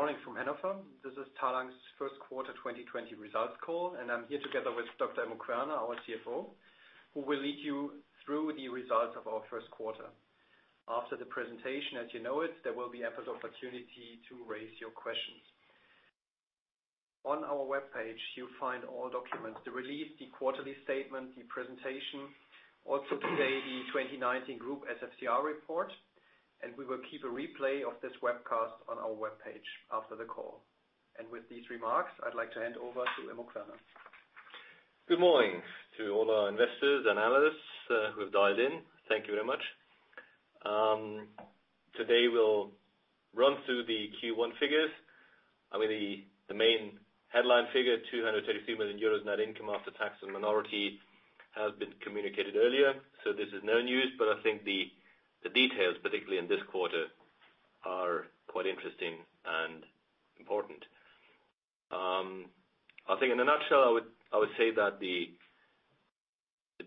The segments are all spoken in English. Good morning from Hannover. This is Talanx first quarter 2020 results call. I'm here together with Dr. Immo Querner, our CFO, who will lead you through the results of our first quarter. After the presentation, as you know it, there will be ample opportunity to raise your questions. On our webpage, you'll find all documents, the release, the quarterly statement, the presentation. Also today, the 2019 group SFCR report, and we will keep a replay of this webcast on our webpage after the call. With these remarks, I'd like to hand over to Immo Querner. Good morning to all our investors, analysts, who have dialed in. Thank you very much. Today, we'll run through the Q1 figures. The main headline figure, 233 million euros net income after tax and minority, has been communicated earlier. This is no news, but I think the details, particularly in this quarter, are quite interesting and important. I think in a nutshell, I would say that the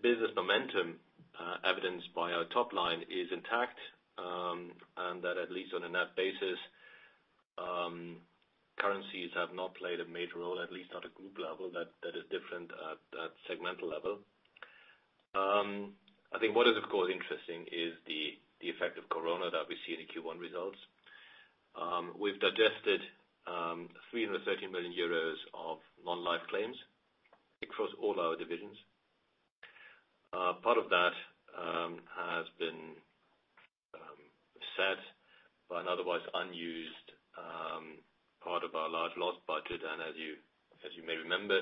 business momentum evidenced by our top line is intact, and that at least on a net basis, currencies have not played a major role, at least at a group level. That is different at segmental level. I think what is, of course, interesting is the effect of corona that we see in the Q1 results. We've digested 330 million euros of non-life claims across all our divisions. Part of that has been set by an otherwise unused part of our large loss budget. As you may remember,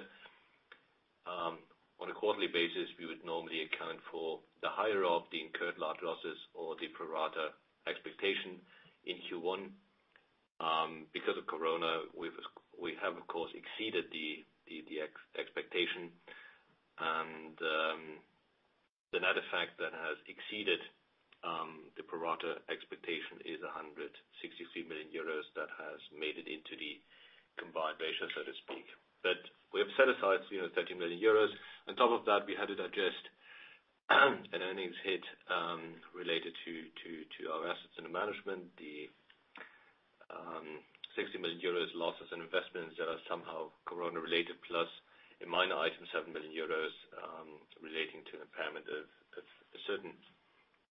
on a quarterly basis, we would normally account for the higher of the incurred large losses or the pro rata expectation in Q1. Because of corona, we have, of course, exceeded the expectation. The net effect that has exceeded the pro rata expectation is 163 million euros that has made it into the combined ratio, so to speak. We have set aside 330 million euros. On top of that, we had to digest an earnings hit related to our assets under management, the 60 million euros losses in investments that are somehow corona related, plus a minor item, 7 million euros, relating to impairment of a certain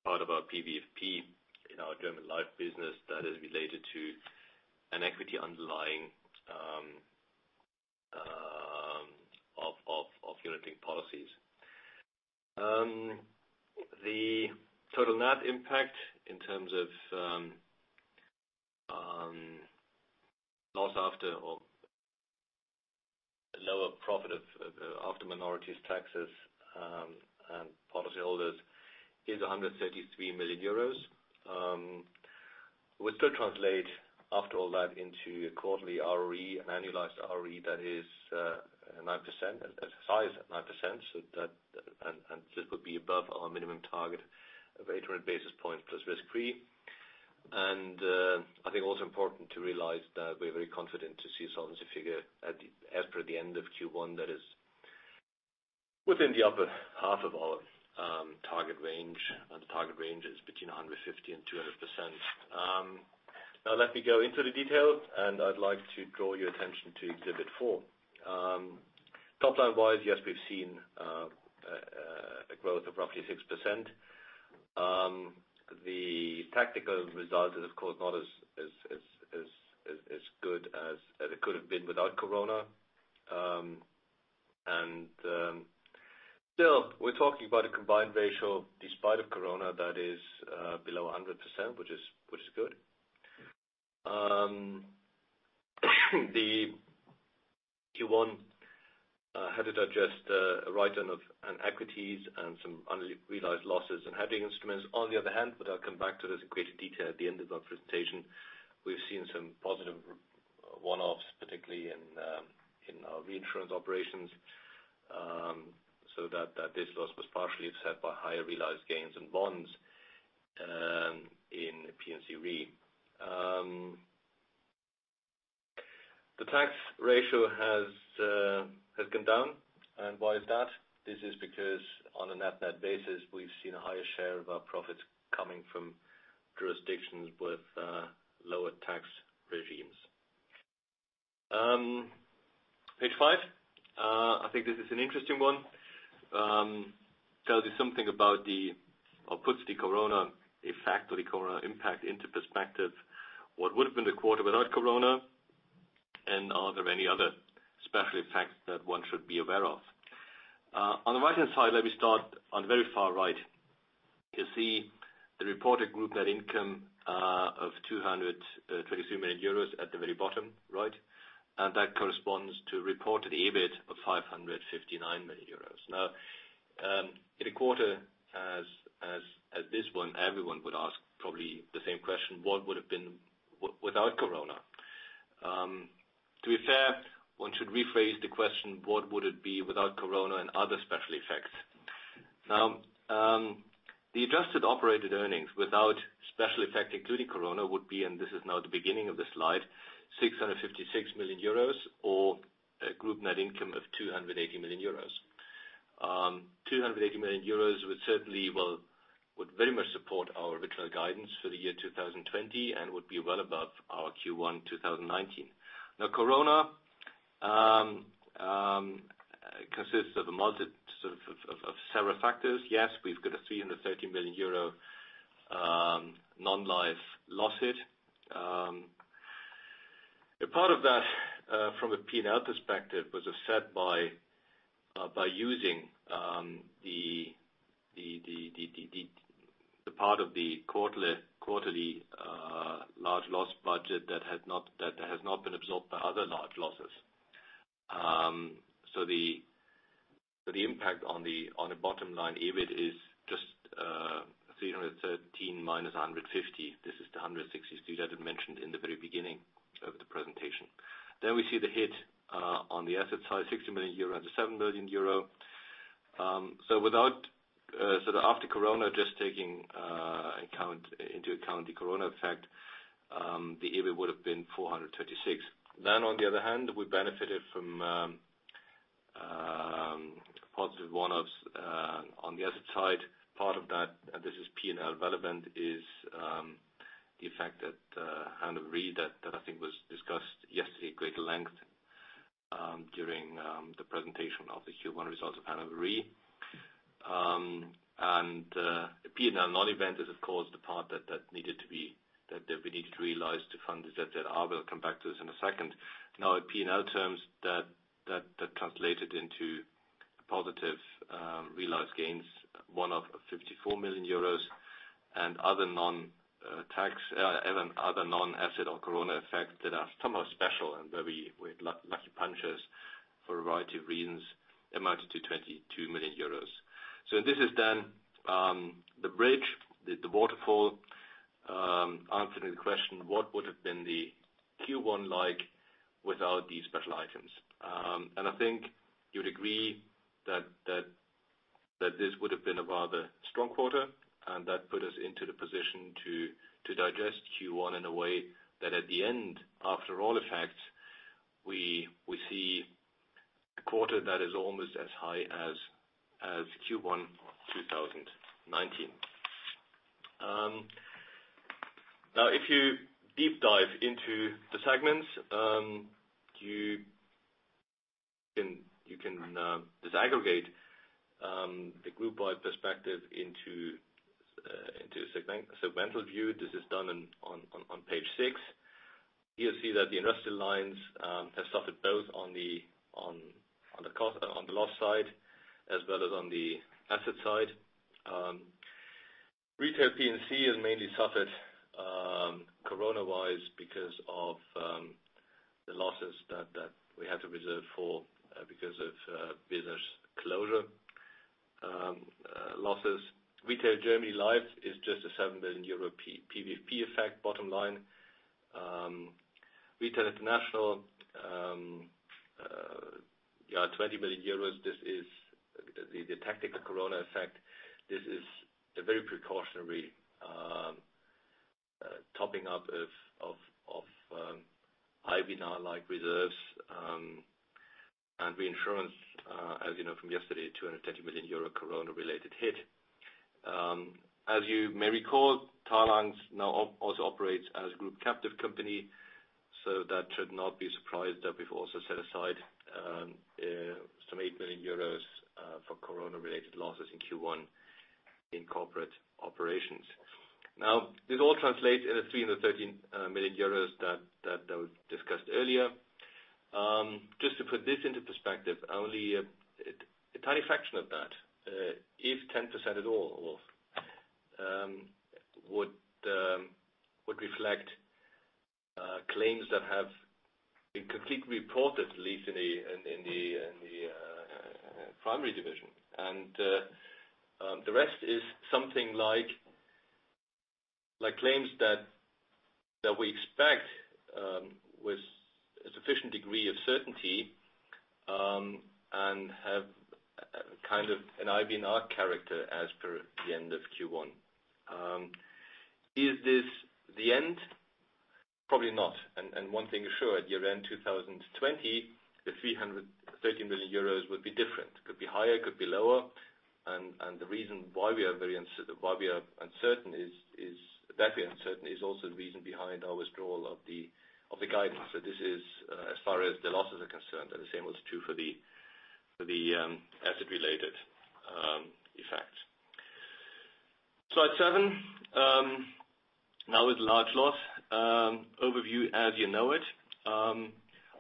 part of our PVFP in our German Life business that is related to an equity underlying of unit-linked policies. The total net impact in terms of loss after, or lower profit after minorities, taxes, and policyholders is 133 million euros. We still translate, after all that, into a quarterly ROE, an annualized ROE that is 9%, size at 9%. This would be above our minimum target of 800 basis points+ risk-free. I think also important to realize that we're very confident to see solvency figure as per the end of Q1 that is within the upper half of our target range. The target range is between 150% and 200%. Let me go into the detail, and I'd like to draw your attention to exhibit four. Top line-wise, yes, we've seen a growth of roughly 6%. The technical result is, of course, not as good as it could have been without corona. Still, we're talking about a combined ratio despite of corona that is below 100%, which is good. The Q1 had to digest a write-down of equities and some unrealized losses in hedging instruments. On the other hand, but I'll come back to this in greater detail at the end of our presentation, we've seen some positive one-offs, particularly in our reinsurance operations, so that this loss was partially offset by higher realized gains in bonds in P&C Re. The tax ratio has gone down. Why is that? This is because on a net net basis, we've seen a higher share of our profits coming from jurisdictions with lower tax regimes. Page five. I think this is an interesting one. Tells you something about the, or puts the corona effect or the corona impact into perspective. What would have been the quarter without corona? Are there any other special effects that one should be aware of? On the right-hand side, let me start on the very far right. You see the reported group net income of 223 million euros at the very bottom right. That corresponds to reported EBIT of 559 million euros. In a quarter as this one, everyone would ask probably the same question, what would have been without corona? To be fair, one should rephrase the question, what would it be without corona and other special effects? The adjusted operated earnings without special effect, including corona, would be, and this is now the beginning of the slide, 656 million euros or Group net income of 280 million euros. 280 million euros would certainly very much support our original guidance for the year 2020 and would be well above our Q1 2019. Corona consists of several factors. Yes, we've got a 330 million euro non-life loss hit. A part of that, from a P&L perspective, was offset by using the part of the quarterly large loss budget that has not been absorbed by other large losses. The impact on the bottom line EBIT is just 313 million - 150 million. This is the [163 million] that I mentioned in the very beginning of the presentation. We see the hit on the asset side, 60 million euro, the 7 million euro. After corona, just taking into account the corona effect, the EBIT would have been [436 million]. On the other hand, we benefited from positive one-offs on the asset side. Part of that, and this is P&L relevant, is the effect at Hannover Re that I think was discussed yesterday at greater length during the presentation of the Q1 results of Hannover Re. The P&L non-event is, of course, the part that we needed to realize to fund the debt that I will come back to in a second. In P&L terms, that translated into positive realized gains, one-off of 54 million euros, and other non-asset or corona effects that are somehow special and where we had lucky punches for a variety of reasons, amounted to 22 million euros. This is then the bridge, the waterfall, answering the question, what would have been the Q1 like without these special items? I think you'd agree that this would have been a rather strong quarter, and that put us into the position to digest Q1 in a way that at the end, after all effects, we see a quarter that is almost as high as Q1 2019. If you deep dive into the segments, you can disaggregate the group-wide perspective into a segmental view. This is done on page six. Here, you see that the industry lines have suffered both on the loss side as well as on the asset side. Retail P&C has mainly suffered corona-wise because of the losses that we had to reserve for because of business closure losses. Retail Germany life is just a 7 million euro PVFP effect bottom line. Retail International, 20 million euros. This is the tactical corona effect. This is a very precautionary topping up of IBNR-like reserves. Reinsurance, as you know from yesterday, 230 million euro corona-related hit. As you may recall, Talanx now also operates as group captive company, that should not be a surprise that we've also set aside some 8 million euros for corona-related losses in Q1 in corporate operations. This all translates into 313 million euros that was discussed earlier. Just to put this into perspective, only a tiny fraction of that, if 10% at all, would reflect claims that have been completely reported, at least in the primary division. The rest is something like claims that we expect with a sufficient degree of certainty, and have an IBNR character as per the end of Q1. Is this the end? Probably not. One thing is sure, at year-end 2020, the 330 million euros would be different. Could be higher, could be lower. The reason why we are uncertain is also the reason behind our withdrawal of the guidance. This is as far as the losses are concerned. The same was true for the asset-related effects. Slide seven. With large loss overview as you know it.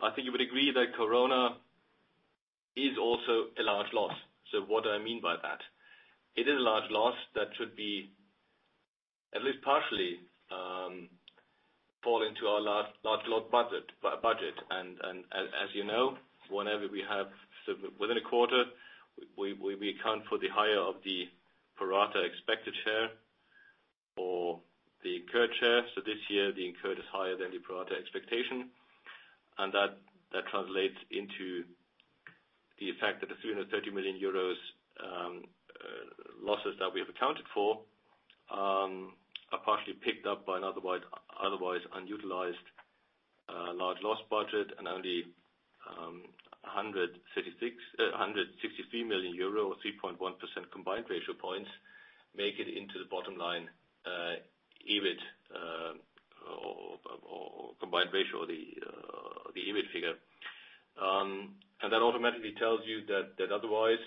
I think you would agree that corona is also a large loss. What do I mean by that? It is a large loss that should at least partially fall into our large loss budget. As you know, whenever we have within a quarter, we account for the higher of the pro rata expected share or the incurred share. This year, the incurred is higher than the pro rata expectation. That translates into the effect that the 330 million euros losses that we have accounted for, are partially picked up by an otherwise unutilized large loss budget and only 163 million euro, or 3.1% combined ratio points, make it into the bottom line, EBIT, or combined ratio of the EBIT figure. That automatically tells you that otherwise,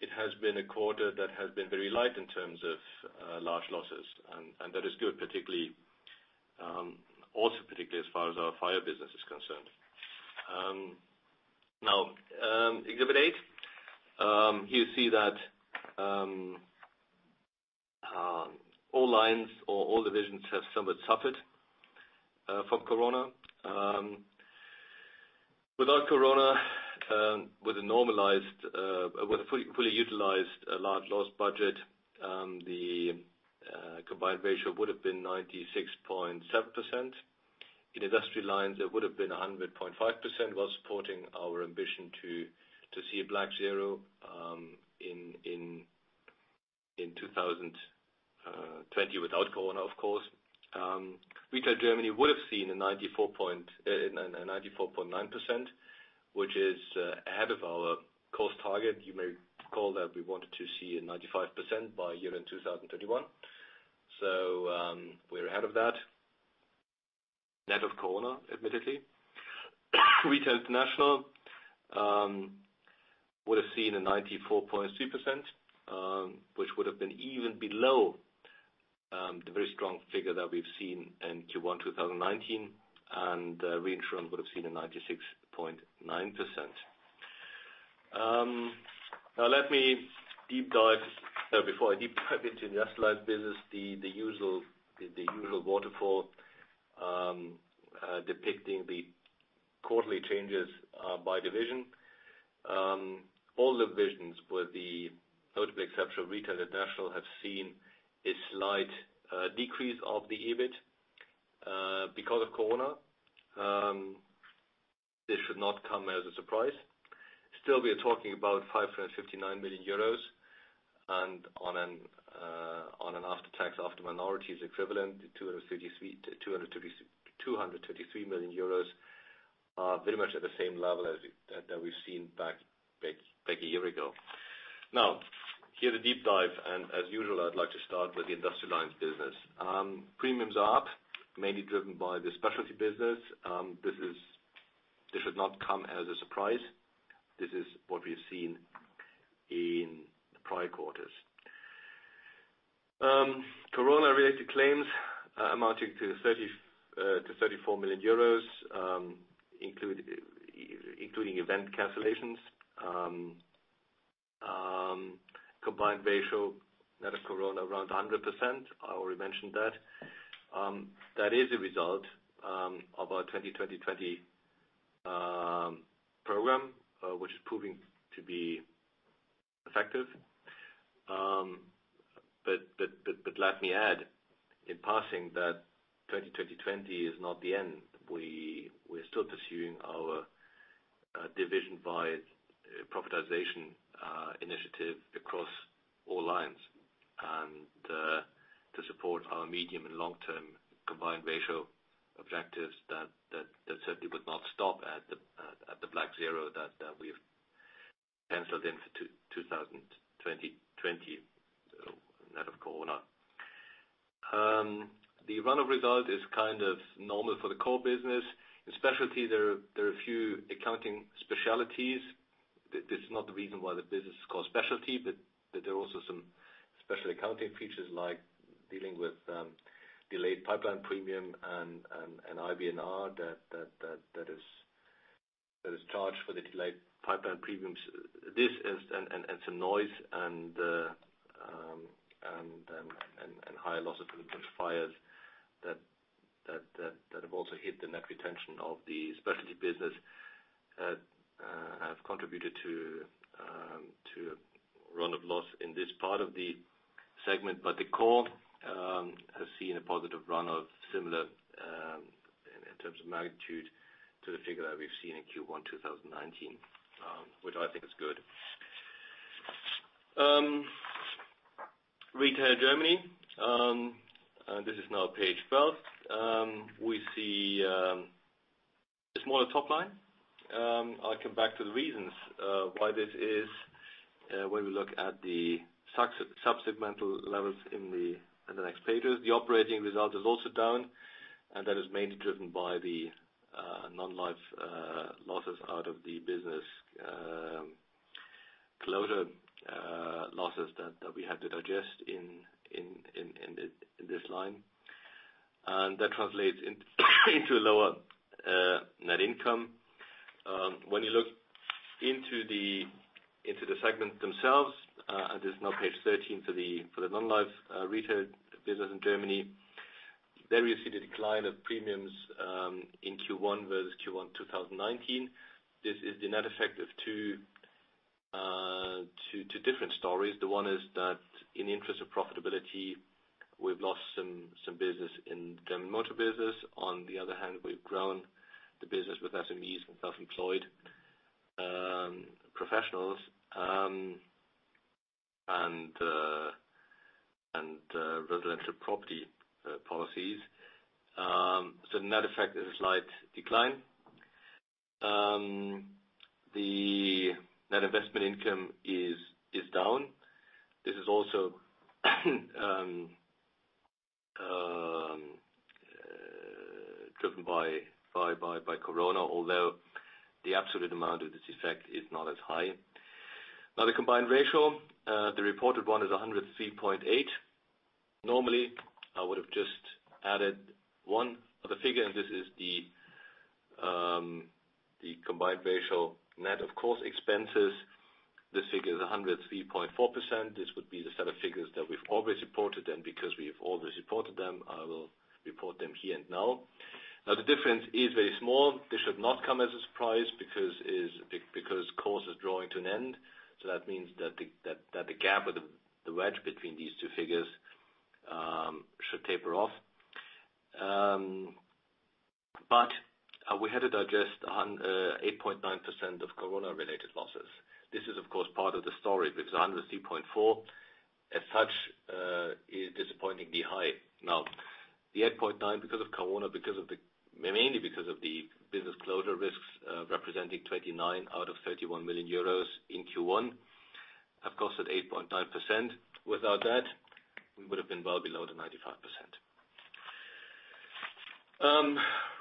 it has been a quarter that has been very light in terms of large losses. That is good, also particularly as far as our fire business is concerned. Now, exhibit eight. Here you see that all lines or all divisions have somewhat suffered from corona. Without corona, with a fully utilized large loss budget, the combined ratio would have been 96.7%. In Industrial Lines, it would have been 100.5% while supporting our ambition to see a black zero in 2020 without corona, of course. Retail Germany would have seen a 94.9%, which is ahead of our cost target. You may recall that we wanted to see a 95% by year-end 2021. We're ahead of that. Net of corona, admittedly. Retail International would have seen a 94.3%, which would have been even below the very strong figure that we've seen in Q1 2019, and Reinsurance would have seen a 96.9%. Before I deep dive into industrial business, the usual waterfall depicting the quarterly changes by division. All divisions, with the notable exception of Retail International, have seen a slight decrease of the EBIT because of corona. This should not come as a surprise. We are talking about 559 million euros, and on an after-tax, after-minorities equivalent, 233 million euros, very much at the same level as we've seen back a year ago. Here's a deep dive, and as usual, I'd like to start with the industrial lines business. Premiums are up, mainly driven by the specialty business. This should not come as a surprise. This is what we've seen in the prior quarters. Corona-related claims amounting to 34 million euros, including event cancellations. Combined ratio net of corona, around 100%. I already mentioned that. That is a result of our 20/20/20 program, which is proving to be effective. Let me add, in passing, that 20/20/20 is not the end. We're still pursuing our division by profitisation initiative across all lines. To support our medium and long-term combined ratio objectives, that certainly would not stop at the black zero that we have penciled in for 2020 net of corona. The run of result is normal for the core business. In specialty, there are a few accounting specialties. This is not the reason why the business is called specialty, but there are also some special accounting features like dealing with delayed pipeline premium and IBNR that is charged for the delayed pipeline premiums. This, and some noise, and high losses from fires that have also hit the net retention of the specialty business, have contributed to a run of loss in this part of the segment. The core has seen a positive run of similar, in terms of magnitude, to the figure that we've seen in Q1 2019, which I think is good. Retail Germany. This is now page 12. We see a smaller top line. I'll come back to the reasons why this is when we look at the sub-segmental levels in the next pages. The operating result is also down, and that is mainly driven by the non-life losses out of the business closure losses that we had to digest in this line. That translates into a lower net income. When you look into the segments themselves, and this is now page 13 for the non-life retail business in Germany. There we see the decline of premiums in Q1 versus Q1 2019. This is the net effect of two different stories. The one is that in the interest of profitability, we've lost some business in German motor business. On the other hand, we've grown the business with SMEs and self-employed professionals and residential property policies. Net effect is a slight decline. The net investment income is down. This is also driven by corona, although the absolute amount of this effect is not as high. The combined ratio, the reported one is 103.8%. Normally, I would've just added one other figure, and this is the combined ratio. Net of course expenses, this figure is 103.4%. This would be the set of figures that we've always reported, because we have always reported them, I will report them here and now. The difference is very small. This should not come as a surprise because course is drawing to an end. That means that the gap or the wedge between these two figures should taper off. We had to digest 8.9% of corona-related losses. This is, of course, part of the story, because 103.4%, as such, is disappointingly high. The 8.9%, mainly because of the business closure risks, representing 29 million out of 31 million euros in Q1, of course, at 8.9%. Without that, we would've been well below the 95%.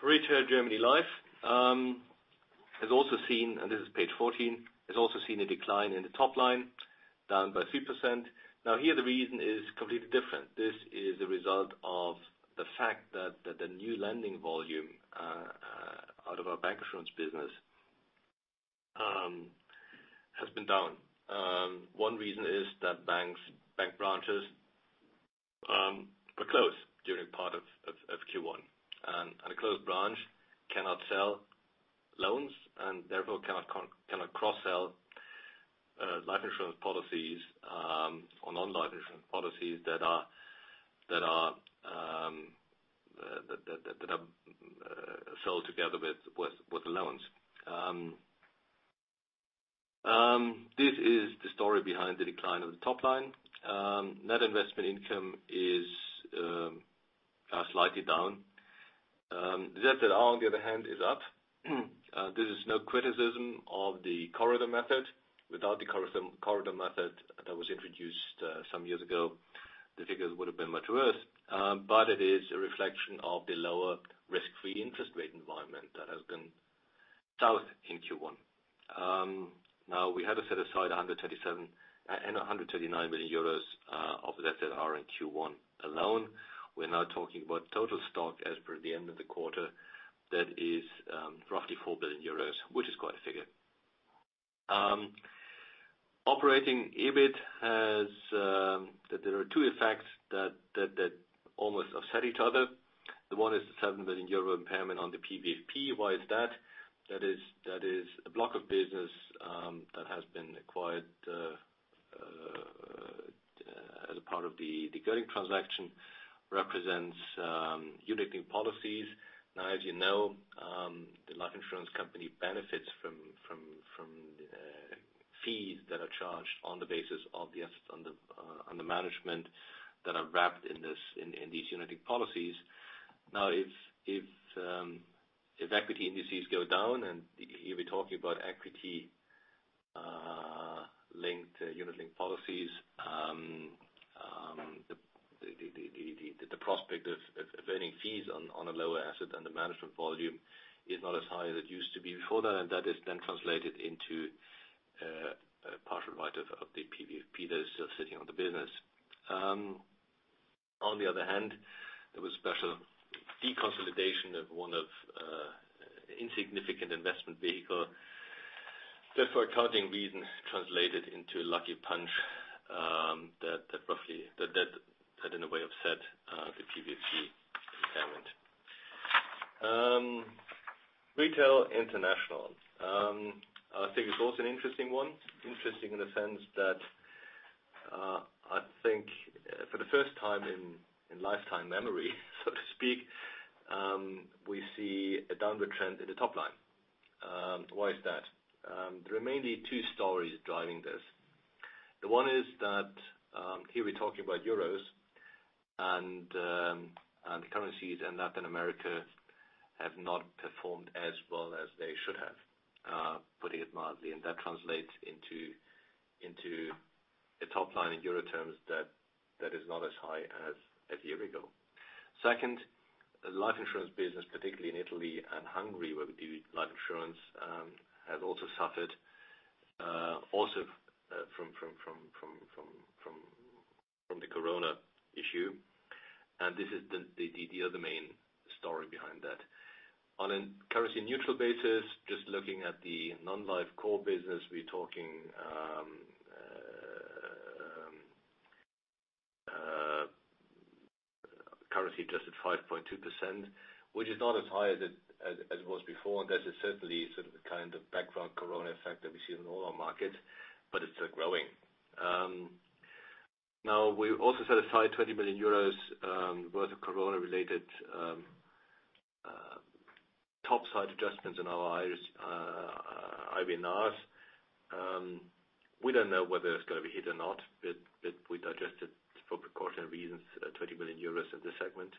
Retail Germany life, and this is page 14, has also seen a decline in the top line, down by 3%. Here the reason is completely different. This is a result of the fact that the new lending volume out of our bancassurance business has been down. One reason is that bank branches were closed during part of Q1. A closed branch cannot sell loans, and therefore cannot cross-sell life insurance policies, or non-life insurance policies that are sold together with the loans. This is the story behind the decline of the top line. Net investment income is slightly down. ZZR, on the other hand, is up. This is no criticism of the corridor method. Without the corridor method that was introduced some years ago, the figures would've been much worse. It is a reflection of the lower risk-free interest rate environment that has been south in Q1. We had to set aside 139 million euros of ZZR in Q1 alone. We're now talking about total stock as per the end of the quarter. That is roughly 4 billion euros, which is quite a figure. Operating EBIT, there are two effects that almost offset each other. One is the 7 million euro impairment on the PVFP. Why is that? That is a block of business that has been acquired as a part of the Gerling transaction, represents unit-linked policies. As you know, the life insurance company benefits from fees that are charged on the basis of the assets under management that are wrapped in these unit-linked policies. If equity indices go down, and here we're talking about equity-linked, unit-linked policies, the prospect of earning fees on a lower asset under management volume is not as high as it used to be before that. That is translated into a partial write-off of the PVFP that is still sitting on the business. On the other hand, there was special deconsolidation of one of insignificant investment vehicle that for accounting reasons translated into a lucky punch, that in a way offset the PVFP impairment. Retail International. I think it's also an interesting one. Interesting in the sense that, I think for the first time in lifetime memory, so to speak, we see a downward trend in the top line. Why is that? There are mainly two stories driving this. One is that, here we're talking about Euros, the currencies in Latin America have not performed as well as they should have, putting it mildly. That translates into a top line in Euro terms that is not as high as a year ago. Second, the life insurance business, particularly in Italy and Hungary, where we do life insurance, has also suffered from the corona issue. This is the other main story behind that. On a currency neutral basis, just looking at the non-life core business, we're talking currency adjusted 5.2%, which is not as high as it was before. That is certainly sort of the background corona effect that we see in all our markets. It's still growing. We also set aside 20 million euros worth of corona-related topside adjustments in our IBNRs. We don't know whether it's going to be hit or not. We adjusted for precautionary reasons, 20 million euros of this segment.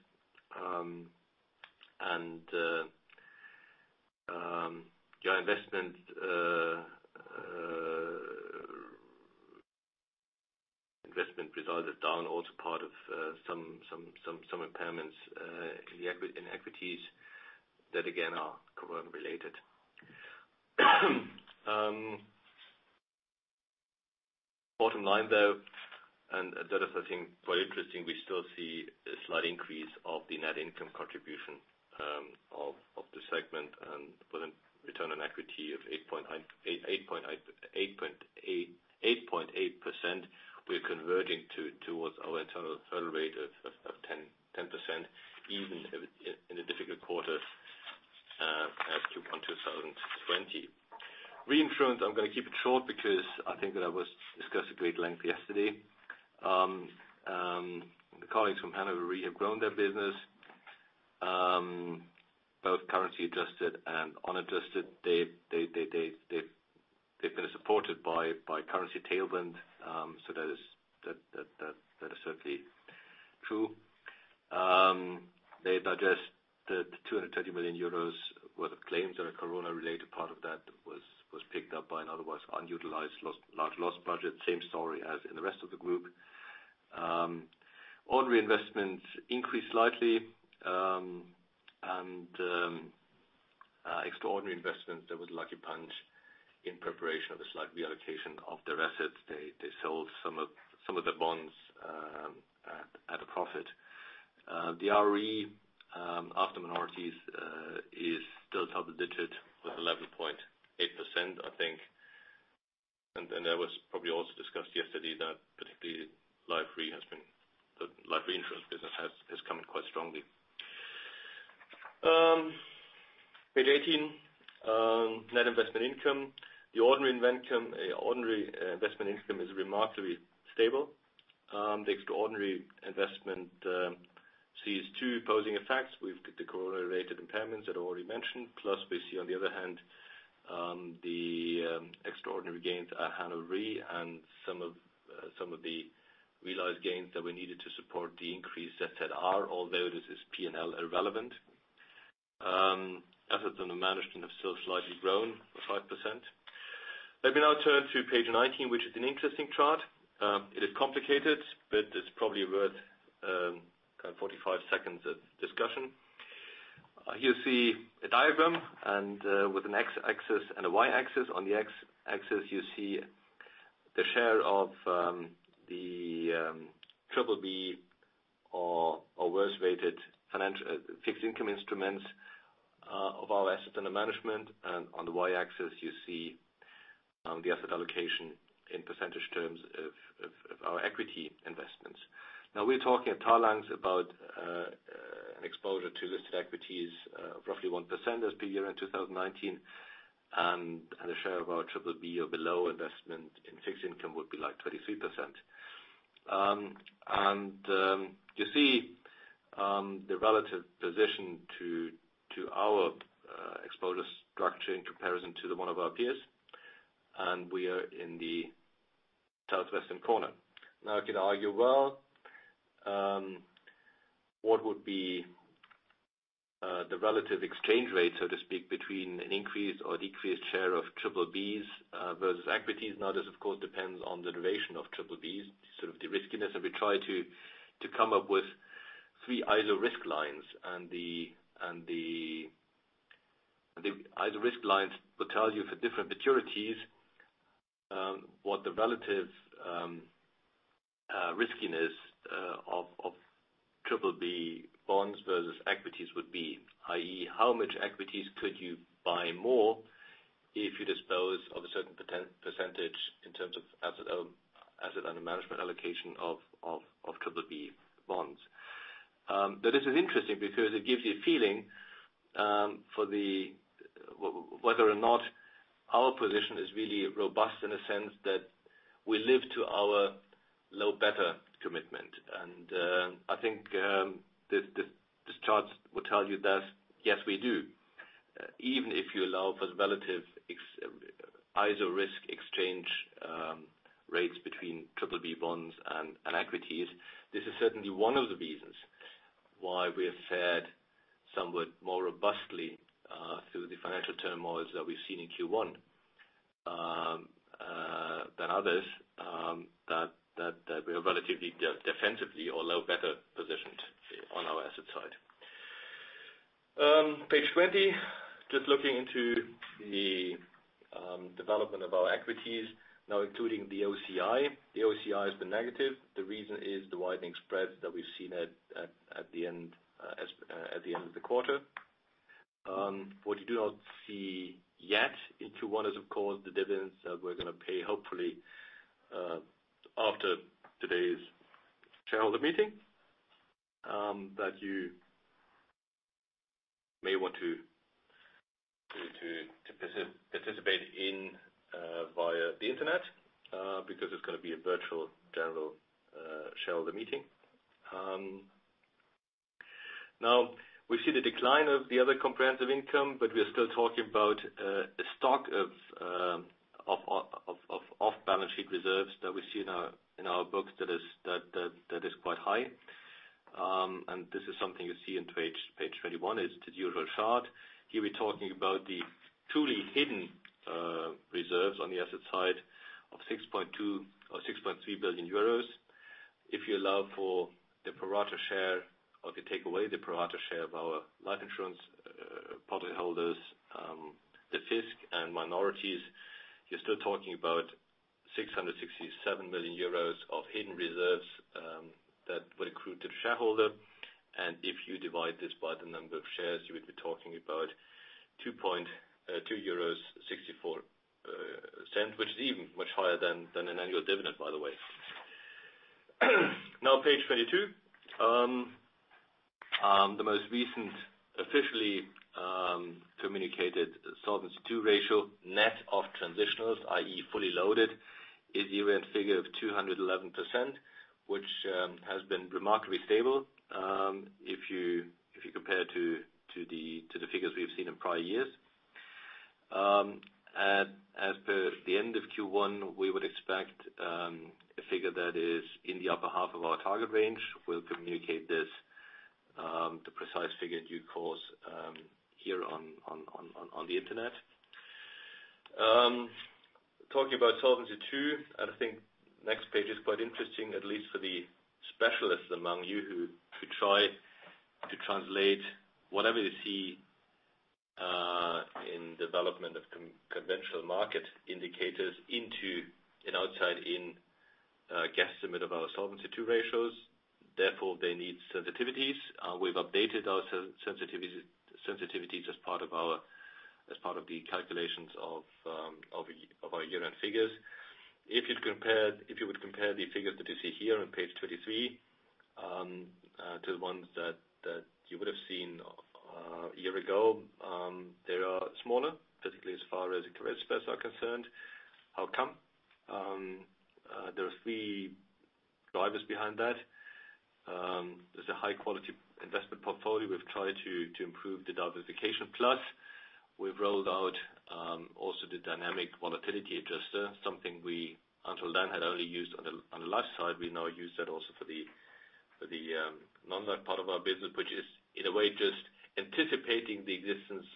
Your investment resulted down also part of some impairments in equities that again, are corona-related. Bottom line though, that is, I think, quite interesting. We still see a slight increase of the net income contribution of the segment. With a return on equity of 8.8%, we are converging towards our internal target rate of 10%, even in a difficult quarter, Q1 2020. Reinsurance, I'm going to keep it short because I think that was discussed at great length yesterday. The colleagues from Hannover Re have grown their business. Both currency adjusted and unadjusted. They've been supported by currency tailwind. That is certainly true. They've adjusted 230 million euros worth of claims that are corona related. Part of that was picked up by an otherwise unutilized large loss budget. Same story as in the rest of the group. All reinvestments increased slightly. Extraordinary investments, there was a lucky punch in preparation of a slight reallocation of their assets. They sold some of the bonds at a profit. The RE after minorities, is still double-digit with 11.8%, I think. That was probably also discussed yesterday, that particularly life reinsurance business has come in quite strongly. Page 18. Net investment income. The ordinary investment income is remarkably stable. The extraordinary investment sees two opposing effects. We've got the corona related impairments that are already mentioned. We see, on the other hand, the extraordinary gains at Hannover Re and some of the realized gains that were needed to support the increased ZZR. Although this is P&L irrelevant. Assets under management have still slightly grown 5%. Let me now turn to page 19, which is an interesting chart. It is complicated, it's probably worth 45 seconds of discussion. Here you see a diagram with an X-axis and a Y-axis. On the X-axis, you see the share of the BBB or worse rated fixed income instruments of our assets under management. On the Y-axis, you see the asset allocation in percentage terms of our equity investments. Now we're talking at Talanx about an exposure to listed equities of roughly 1% as per year end 2019. The share of our BBB or below investment in fixed income would be like 23%. You see the relative position to our exposure structure in comparison to the one of our peers. We are in the southwestern corner. Now you can argue, well, what would be the relative exchange rate, so to speak, between an increased or decreased share of BBBs versus equities? Now, this of course, depends on the duration of BBBs, sort of the riskiness. We try to come up with three iso-risk lines. The iso-risk lines will tell you for different maturities, what the relative riskiness of BBB bonds versus equities would be. i.e., how much equities could you buy more if you dispose of a certain percentage in terms of asset under management allocation of BBB bonds? This is interesting because it gives you a feeling for whether or not our position is really robust in a sense that we live to our low beta commitment. I think this chart will tell you that, yes, we do. Even if you allow for the relative iso-risk exchange rates between BBB bonds and equities. This is certainly one of the reasons why we have fared somewhat more robustly through the financial turmoils that we've seen in Q1, than others. That we are relatively defensively or low beta positioned on our asset side. Page 20, just looking into the development of our equities now including the OCI. The OCI has been negative. The reason is the widening spreads that we've seen at the end of the quarter. What you do not see yet in Q1 is, of course, the dividends that we're going to pay, hopefully, after today's shareholder meeting. That you may want to participate in via the internet, because it's going to be a virtual general shareholder meeting. We see the decline of the other comprehensive income, but we are still talking about a stock of off-balance sheet reserves that we see in our books that is quite high. This is something you see in to page 21, is the usual chart. Here, we're talking about the truly hidden reserves on the asset side of 6.2 billion or 6.3 billion euros. If you allow for the pro rata share, or if you take away the pro rata share of our life insurance policyholders, the fisc and minorities, you're still talking about 667 million euros of hidden reserves that will accrue to the shareholder. If you divide this by the number of shares, you would be talking about 2.64 euros, which is even much higher than an annual dividend, by the way. Page 22. The most recent officially communicated Solvency 2 ratio, net of transitionals, i.e., fully loaded, is the year-end figure of 211%, which has been remarkably stable if you compare to the figures we have seen in prior years. As per the end of Q1, we would expect a figure that is in the upper half of our target range. We'll communicate the precise figure in due course here on the internet. Talking about Solvency 2, I think next page is quite interesting, at least for the specialists among you who try to translate whatever they see in development of conventional market indicators into an outside-in guesstimate of our Solvency 2 ratios. Therefore, they need sensitivities. We've updated our sensitivities as part of the calculations of our year-end figures. If you would compare the figures that you see here on page 23, to the ones that you would have seen a year ago, they are smaller, basically as far as the credit spreads are concerned. How come? There are three drivers behind that. There's a high-quality investment portfolio. We've tried to improve the diversification. Plus, we've rolled out also the dynamic volatility adjuster. Something we, until then, had only used on the life side. We now use that also for the non-life part of our business. Which is, in a way, just anticipating the existence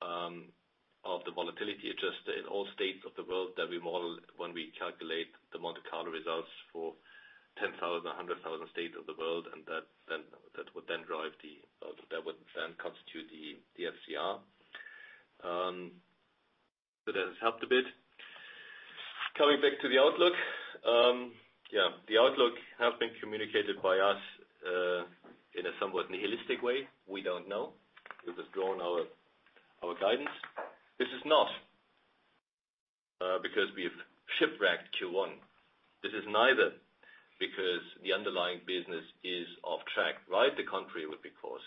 of the volatility adjuster in all states of the world that we model when we calculate the Monte Carlo results for 10,000 states, 100,000 states of the world, that would then constitute the SCR. That has helped a bit. Coming back to the outlook. Yeah. The outlook has been communicated by us, in a somewhat nihilistic way. We don't know. We've withdrawn our guidance. This is not because we've shipwrecked Q1. This is neither because the underlying business is off track. Quite the contrary, because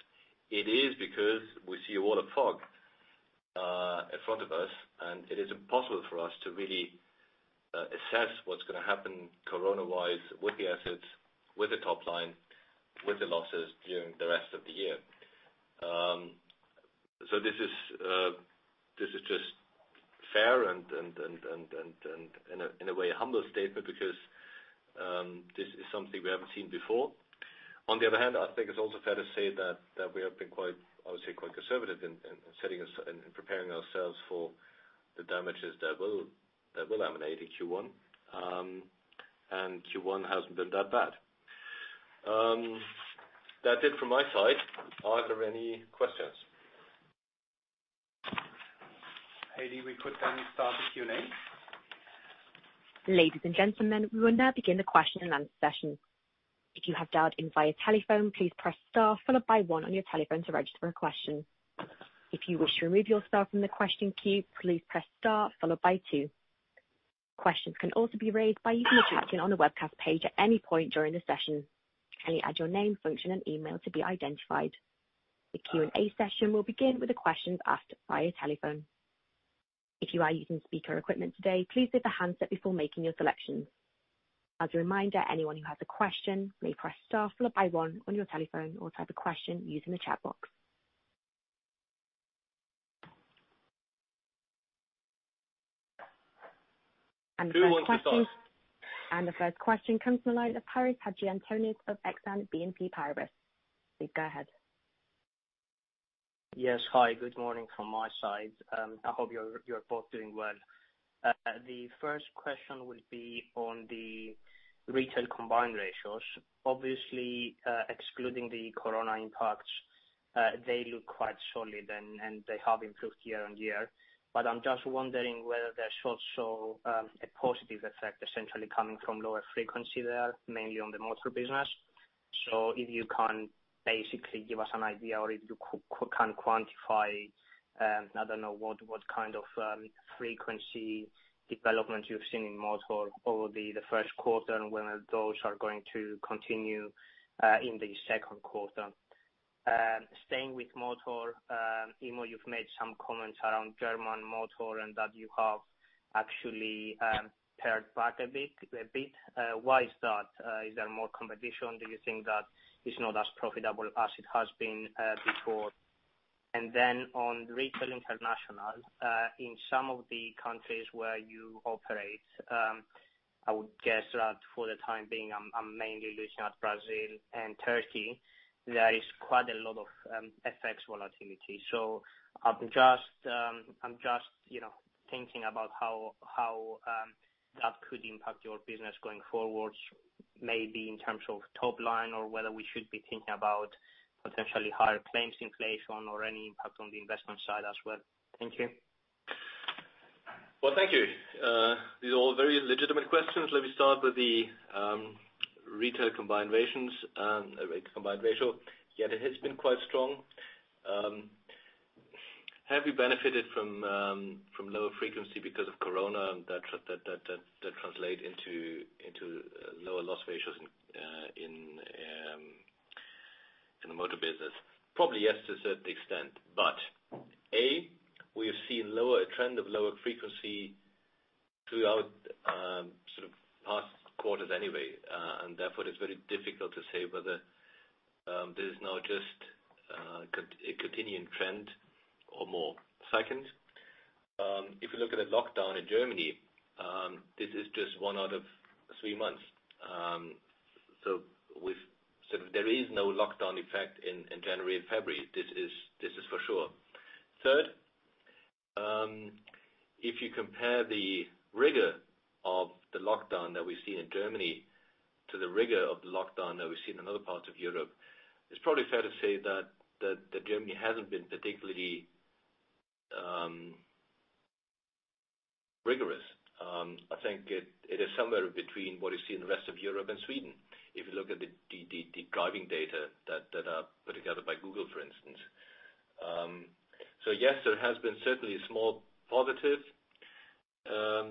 it is because we see a wall of fog in front of us, and it is impossible for us to really assess what's going to happen corona-wise with the assets, with the top line, with the losses during the rest of the year. This is just fair and, in a way, a humble statement because this is something we haven't seen before. On the other hand, I think it's also fair to say that we have been quite conservative in preparing ourselves for the damages that will emanate in Q1. Q1 hasn't been that bad. That's it from my side. Are there any questions? Heidi, we could then start the Q&A. Ladies and gentlemen, we will now begin the question and answer session. If you have dialed in via telephone, please press star followed by one on your telephone to register a question. If you wish to remove yourself from the question queue, please press star followed by two. Questions can also be raised by using the chat function on the webcast page at any point during the session. Kindly add your name, function, and email to be identified. The Q&A session will begin with the questions asked via telephone. If you are using speaker equipment today, please lift the handset before making your selections. As a reminder, anyone who has a question may press star followed by one on your telephone or type a question using the chat box. Who wants to start? The first question comes from the line of Paris Hadjantonis of Exane BNP Paribas. Please go ahead. Yes, hi. Good morning from my side. I hope you're both doing well. The first question will be on the retail combined ratios. Obviously, excluding the corona impacts, they look quite solid and they have improved year-over-year. I'm just wondering whether there's also a positive effect essentially coming from lower frequency there, mainly on the motor business. If you can basically give us an idea or if you can quantify, I don't know, what kind of frequency development you've seen in motor over the first quarter and whether those are going to continue in the second quarter. Staying with motor. Immo, you've made some comments around German motor and that you have actually paired back a bit. Why is that? Is there more competition? Do you think that it's not as profitable as it has been before? Then on Retail International, in some of the countries where you operate, I would guess that for the time being, I'm mainly looking at Brazil and Turkey. There is quite a lot of FX volatility. I'm just thinking about how that could impact your business going forward, maybe in terms of top line or whether we should be thinking about potentially higher claims inflation or any impact on the investment side as well. Thank you. Well, thank you. These are all very legitimate questions. Let me start with the retail combined ratio. Yeah, it has been quite strong. Have we benefited from lower frequency because of corona, and that translate into lower loss ratios in the motor business? Probably, yes, to a certain extent. A, we have seen a trend of lower frequency throughout past quarters anyway. Therefore, it's very difficult to say whether this is now just a continuing trend or more cycles. If you look at the lockdown in Germany, this is just one out of three months. There is no lockdown effect in January and February. This is for sure. Third, if you compare the rigor of the lockdown that we've seen in Germany to the rigor of the lockdown that we've seen in other parts of Europe, it's probably fair to say that Germany hasn't been particularly rigorous. I think it is somewhere between what you see in the rest of Europe and Sweden. If you look at the driving data that are put together by Google, for instance. Yes, there has been certainly a small positive. I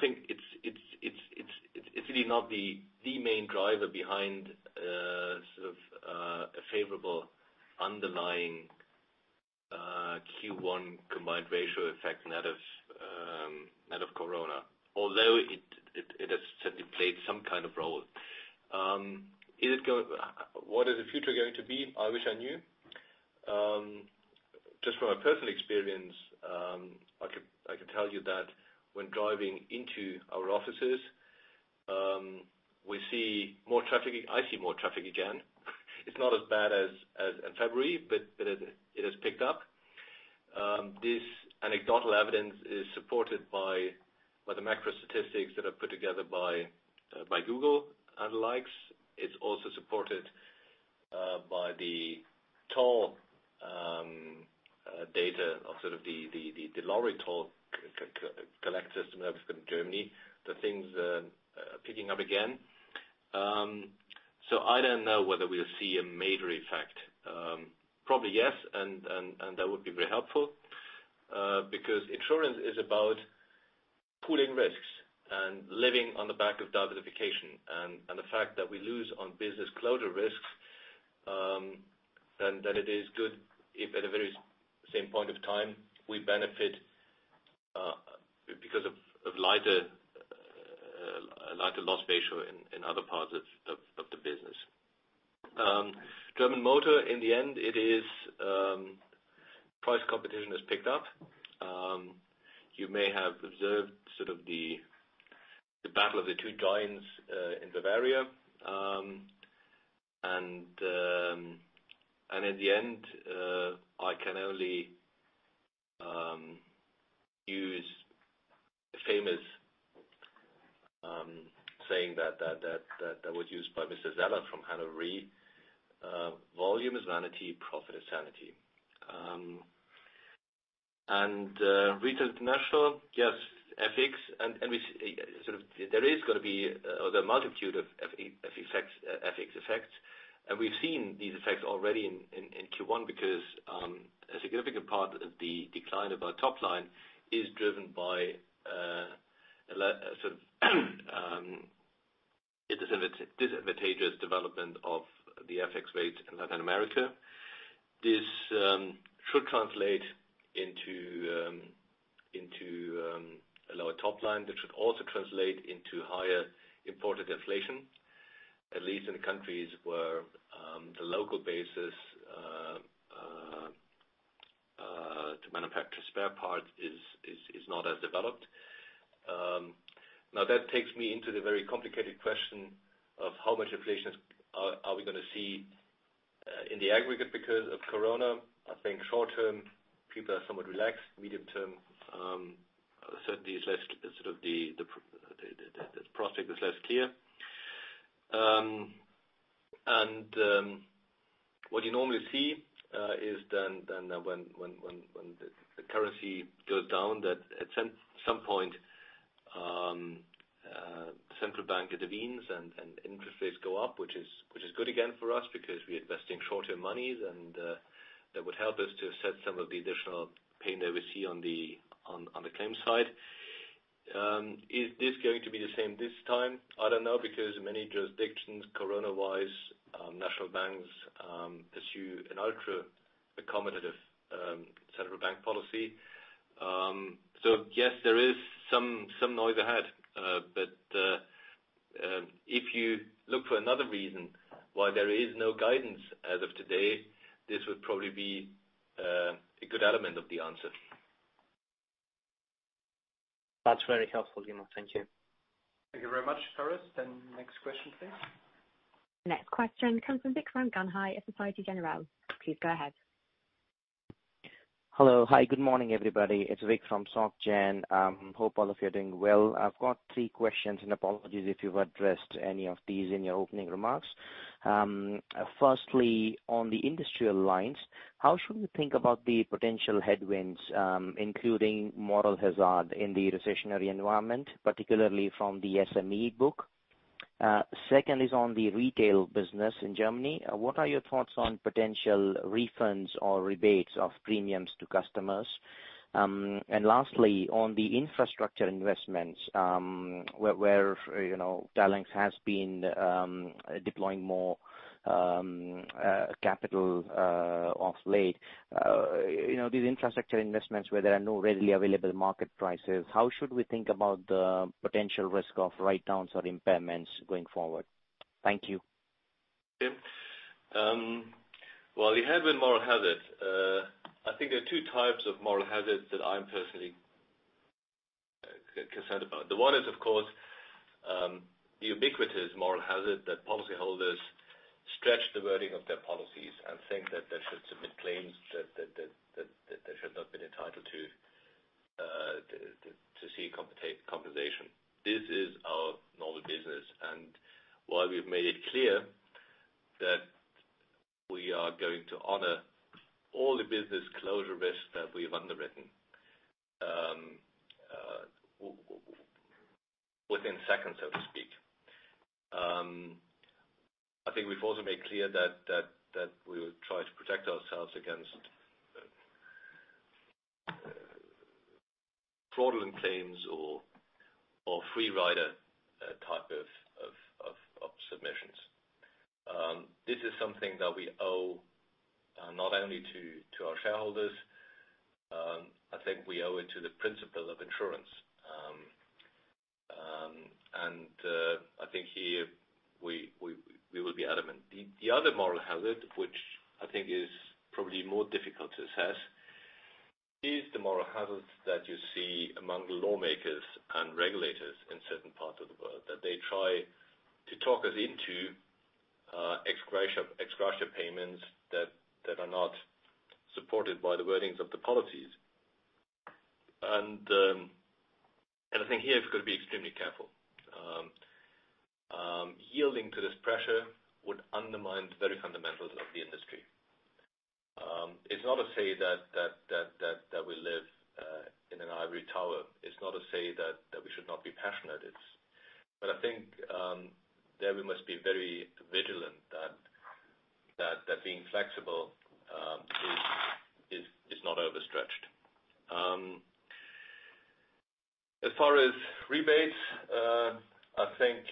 think it's really not the main driver behind a favorable underlying Q1 combined ratio effect net of corona, although it has certainly played some kind of role. What is the future going to be? I wish I knew. Just from my personal experience, I could tell you that when driving into our offices, we see more traffic. I see more traffic again. It's not as bad as in February, but it has picked up. This anecdotal evidence is supported by the macro statistics that are put together by Google and the likes. It's also supported by the toll data of the lorry toll collectors in Germany. The things are picking up again. I don't know whether we'll see a major effect. Probably yes, that would be very helpful. Insurance is about pooling risks and living on the back of diversification. The fact that we lose on business closure risks, it is good if at a very same point of time, we benefit because of a lighter loss ratio in other parts of the business. German motor, in the end, it is price competition has picked up. You may have observed the battle of the two giants in Bavaria. In the end, I can only use the famous saying that was used by Mr. Zeller from Hannover. Volume is vanity. Profit is sanity. Retail International. Yes, FX. There is going to be the multitude of FX effects. We've seen these effects already in Q1 because, a significant part of the decline of our top line is driven by disadvantageous development of the FX rates in Latin America. This should translate into a lower top line. That should also translate into higher imported inflation, at least in the countries where the local basis to manufacture spare parts is not as developed. That takes me into the very complicated question of how much inflation are we going to see in the aggregate because of corona. I think short term, people are somewhat relaxed. Medium term, certainly the prospect is less clear. What you normally see is then when the currency goes down, that at some point, central bank intervenes and interest rates go up, which is good again for us because we invest in short-term monies, and that would help us to offset some of the additional pain that we see on the claims side. Is this going to be the same this time? I don't know, because many jurisdictions, corona-wise, national banks pursue an ultra-accommodative central bank policy. Yes, there is some noise ahead. If you look for another reason why there is no guidance as of today, this would probably be a good element of the answer. That's very helpful, [Immo]. Thank you. Thank you very much, [Paris]. Next question, please. The next question comes from Vikram Gandhi at Societe Generale. Please go ahead. Hello. Hi, good morning, everybody. It's Vik from Soc Gen. Hope all of you are doing well. I've got three questions, and apologies if you've addressed any of these in your opening remarks. Firstly, on the industrial lines, how should we think about the potential headwinds, including moral hazard in the recessionary environment, particularly from the SME book? Second is on the retail business in Germany. What are your thoughts on potential refunds or rebates of premiums to customers? Lastly, on the infrastructure investments, where Talanx has been deploying more capital of late. These infrastructure investments where there are no readily available market prices, how should we think about the potential risk of write-downs or impairments going forward? Thank you. The headwind moral hazard. I think there are two types of moral hazards that I'm personally concerned about. The one is, of course, the ubiquitous moral hazard that policyholders stretch the wording of their policies and think that they should submit claims that they should not have been entitled to see compensation. This is our normal business, and while we've made it clear that we are going to honor all the business closure risks that we've underwritten within seconds, so to speak. I think we've also made clear that we will try to protect ourselves against fraudulent claims or free rider type of submissions. This is something that we owe not only to our shareholders, I think we owe it to the principle of insurance. I think here we will be adamant. The other moral hazard, which I think is probably more difficult to assess, is the moral hazard that you see among lawmakers and regulators in certain parts of the world. They try to talk us into ex gratia payments that are not supported by the wordings of the policies. I think here we've got to be extremely careful. Yielding to this pressure would undermine the very fundamentals of the industry. It's not to say that we live in an ivory tower. It's not to say that we should not be passionate. I think there we must be very vigilant that being flexible is not overstretched. As far as rebates, I think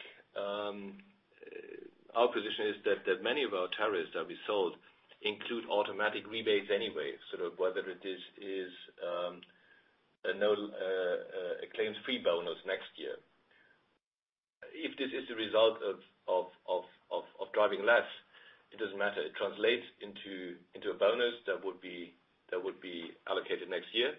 our position is that many of our tariffs that we sold include automatic rebates anyway, sort of whether it is a claims-free bonus next year. If this is a result of driving less, it doesn't matter. It translates into a bonus that would be allocated next year.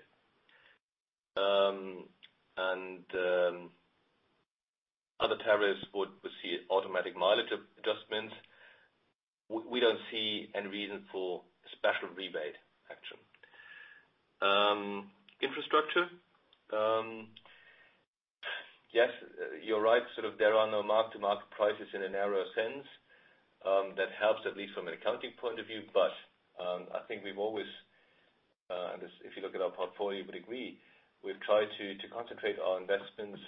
Other tariffs would receive automatic mileage adjustments. We don't see any reason for a special rebate action. Infrastructure. Yes, you're right. There are no mark-to-market prices in a narrow sense. That helps, at least from an accounting point of view. I think we've always, if you look at our portfolio, you would agree, we've tried to concentrate our investments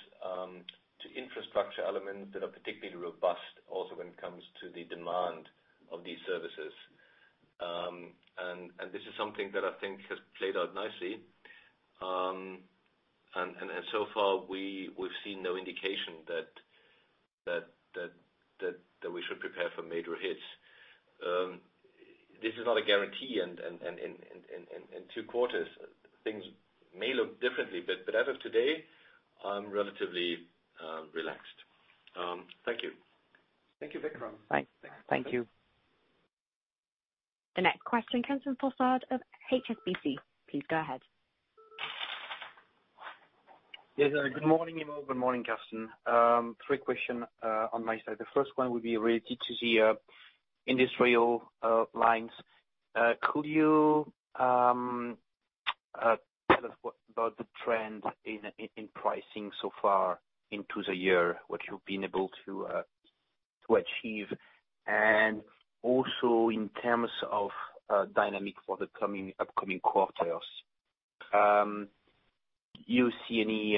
to infrastructure elements that are particularly robust, also when it comes to the demand of these services. This is something that I think has played out nicely. So far, we've seen no indication that we should prepare for major hits. This is not a guarantee. In two quarters, things may look differently. As of today, I'm relatively relaxed. Thank you. Thank you, Vikram. Thanks. Thank you. The next question comes from [Fossard] of HSBC. Please go ahead. Yes. Good morning, [Immo]. Good morning, Kerstin. Three question on my side. The first one would be related to the industrial lines. Could you tell us what about the trend in pricing so far into the year, what you've been able to achieve? Also, in terms of dynamic for the upcoming quarters. Do you see any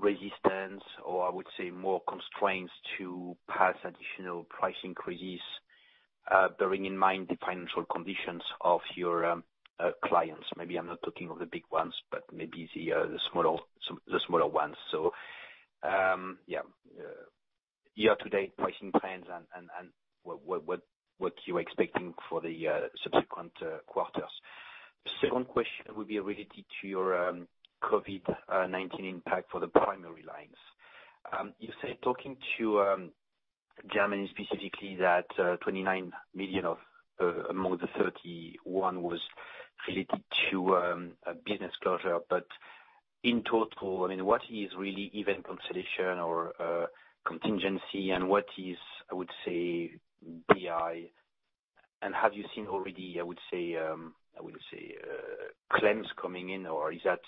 resistance or, I would say, more constraints to pass additional price increases. Bearing in mind the financial conditions of your clients. Maybe I'm not talking of the big ones, but maybe the smaller ones. Year-to-date pricing plans and what you're expecting for the subsequent quarters. The second question will be related to your COVID-19 impact for the primary lines. You said, talking to Germany specifically, that 29 million of, among the 31, was related to business closure. In total, what is really event cancellation or contingency and what is, I would say, BI, and have you seen already claims coming in, or is that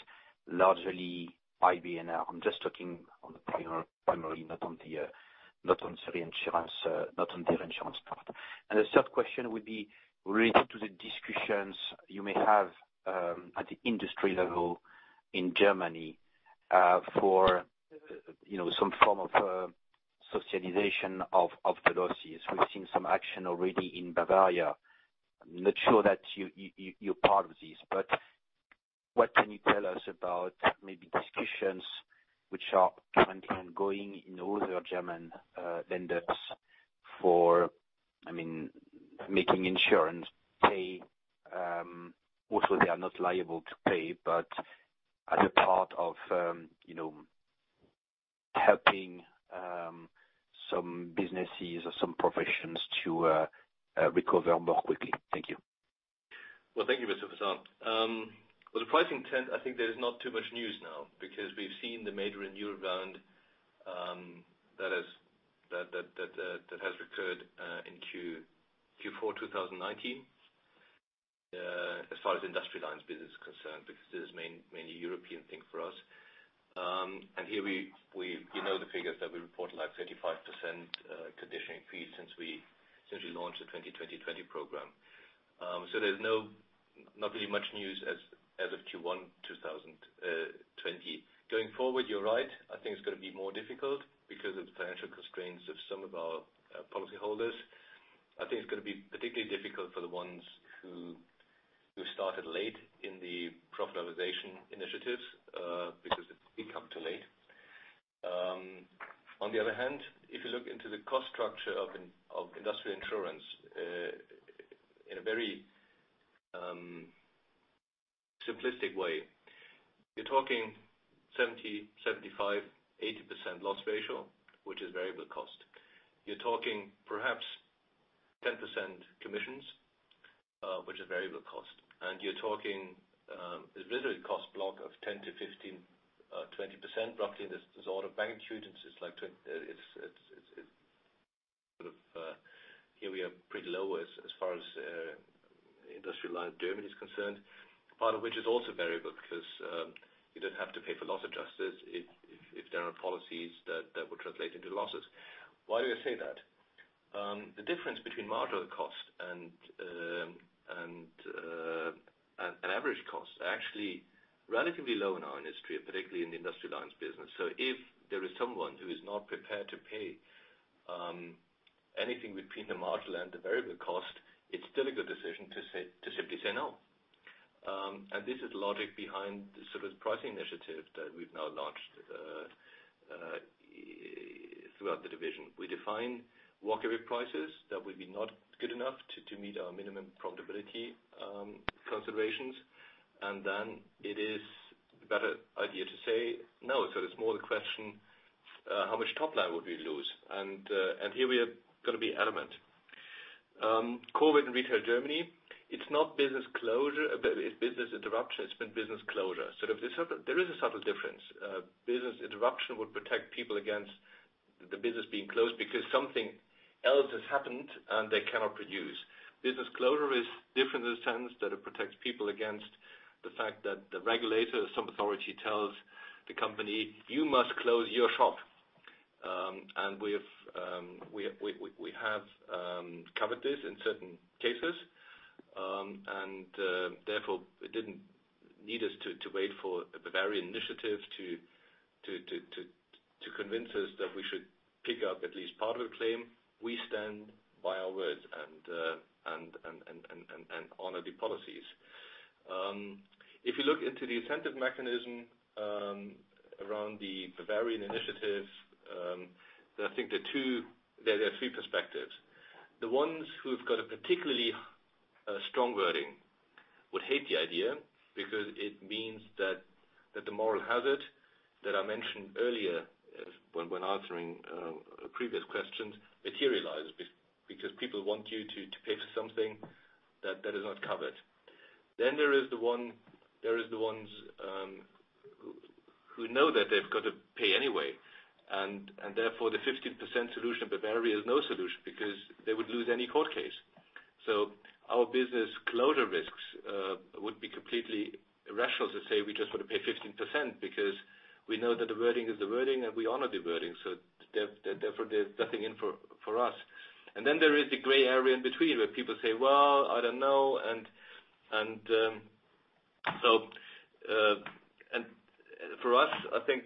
largely IBNR? I'm just talking on the primary, not on the reinsurance part. The third question would be related to the discussions you may have at the industry level in Germany, for some form of socialisation of the losses. We've seen some action already in Bavaria. I'm not sure that you're part of this, but what can you tell us about maybe discussions which are currently ongoing in other German Länder for making insurance pay, also they are not liable to pay, but as a part of helping some businesses or some professions to recover more quickly. Thank you. Well, thank you, [Mr. Fossard]. With the pricing trend, I think there's not too much news now because we've seen the major renewal round that has recurred in Q4 2019, as far as industrial lines business is concerned, because this is mainly a European thing for us. Here, you know the figures that we report, like 35% conditioning fee since we launched the 20/20/20 program. There's not really much news as of Q1 2020. Going forward, you're right. I think it's going to be more difficult because of the financial constraints of some of our policyholders. I think it's going to be particularly difficult for the ones who started late in the profit optimization initiatives, because they've come too late. If you look into the cost structure of industrial insurance, in a very simplistic way, you're talking 70%, 75%, 80% loss ratio, which is variable cost. You're talking perhaps 10% commissions, which is variable cost. You're talking, there's literally a cost block of 10%-15%, 20%, roughly this order of magnitude. It's sort of, here we are pretty low as far as industrial line Germany is concerned. Part of which is also variable because you don't have to pay for loss adjusters if there are policies that would translate into losses. Why do I say that? The difference between marginal cost and an average cost are actually relatively low in our industry, particularly in the industrial lines business. If there is someone who is not prepared to pay anything between the marginal and the variable cost, it's still a good decision to simply say no. This is the logic behind the service pricing initiative that we've now launched throughout the division. We define walkaway prices that would be not good enough to meet our minimum profitability considerations, and then it is a better idea to say no. It's more the question, how much top line would we lose? Here we are going to be adamant. COVID in retail Germany, it's not business closure. It's business interruption. It's been business closure. There is a subtle difference. Business interruption would protect people against the business being closed because something else has happened, and they cannot produce. Business closure is different in the sense that it protects people against the fact that the regulator, some authority tells the company, "You must close your shop." We have covered this in certain cases. Therefore, it didn't need us to wait for the Bavarian initiative to convince us that we should pick up at least part of the claim. We stand by our word and honor the policies. If you look into the incentive mechanism around the Bavarian initiative, I think there are three perspectives. The ones who've got a particularly strong wording would hate the idea, because it means that the moral hazard that I mentioned earlier, when answering previous questions, materializes. People want you to pay for something that is not covered. There is the ones who know that they've got to pay anyway. Therefore, the 15% solution Bavarian is no solution because they would lose any court case. Our business closure risks would be completely irrational to say we just want to pay 15% because we know that the wording is the wording, and we honor the wording. Therefore, there's nothing in for us. Then there is the gray area in between where people say, "Well, I don't know." I think,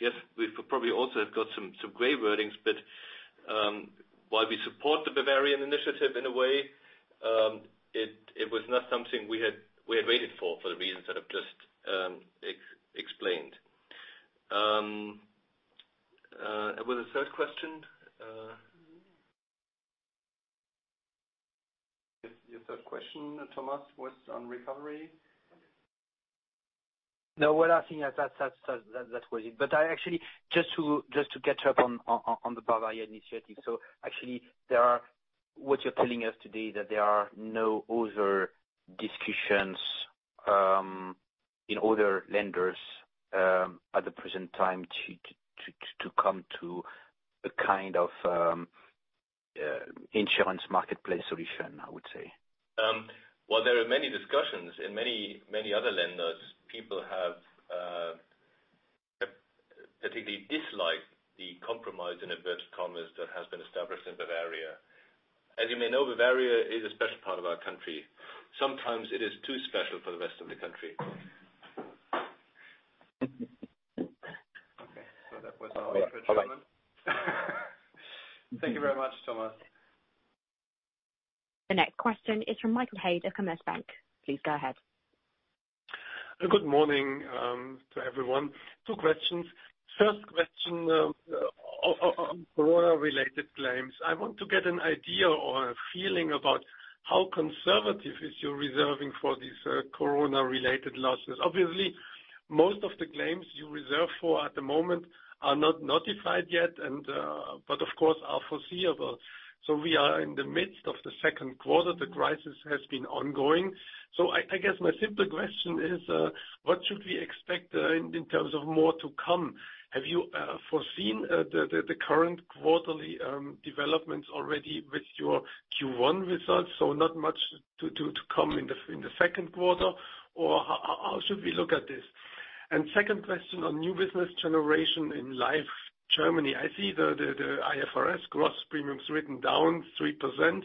yes, we probably also have got some gray wordings. While we support the Bavarian initiative in a way, it was not something we had waited for the reasons that I've just explained. There was a third question. Your third question, Thomas, was on recovery. No. Well, I think that was it. Actually, just to catch up on the Bavarian initiative. Actually, what you're telling us today, that there are no other discussions in other lenders at the present time to come to a kind of insurance marketplace solution, I would say. Well, there are many discussions. In many other Länder, people have particularly disliked the compromise, in inverted commas, that has been established in Bavaria. As you may know, Bavaria is a special part of our country. Sometimes it is too special for the rest of the country. Okay. That was our. Thank you very much, Thomas. The next question is from Michael Haid of Commerzbank. Please go ahead. Good morning to everyone. Two questions. First question on corona-related claims. I want to get an idea or a feeling about how conservative is your reserving for these corona-related losses. Obviously, most of the claims you reserve for at the moment are not notified yet, but of course, are foreseeable. We are in the midst of the second quarter. The crisis has been ongoing. I guess my simple question is, what should we expect in terms of more to come? Have you foreseen the current quarterly developments already with your Q1 results, so not much to come in the second quarter? How should we look at this? Second question on new business generation in Life Germany. I see the IFRS gross premiums written down 3%.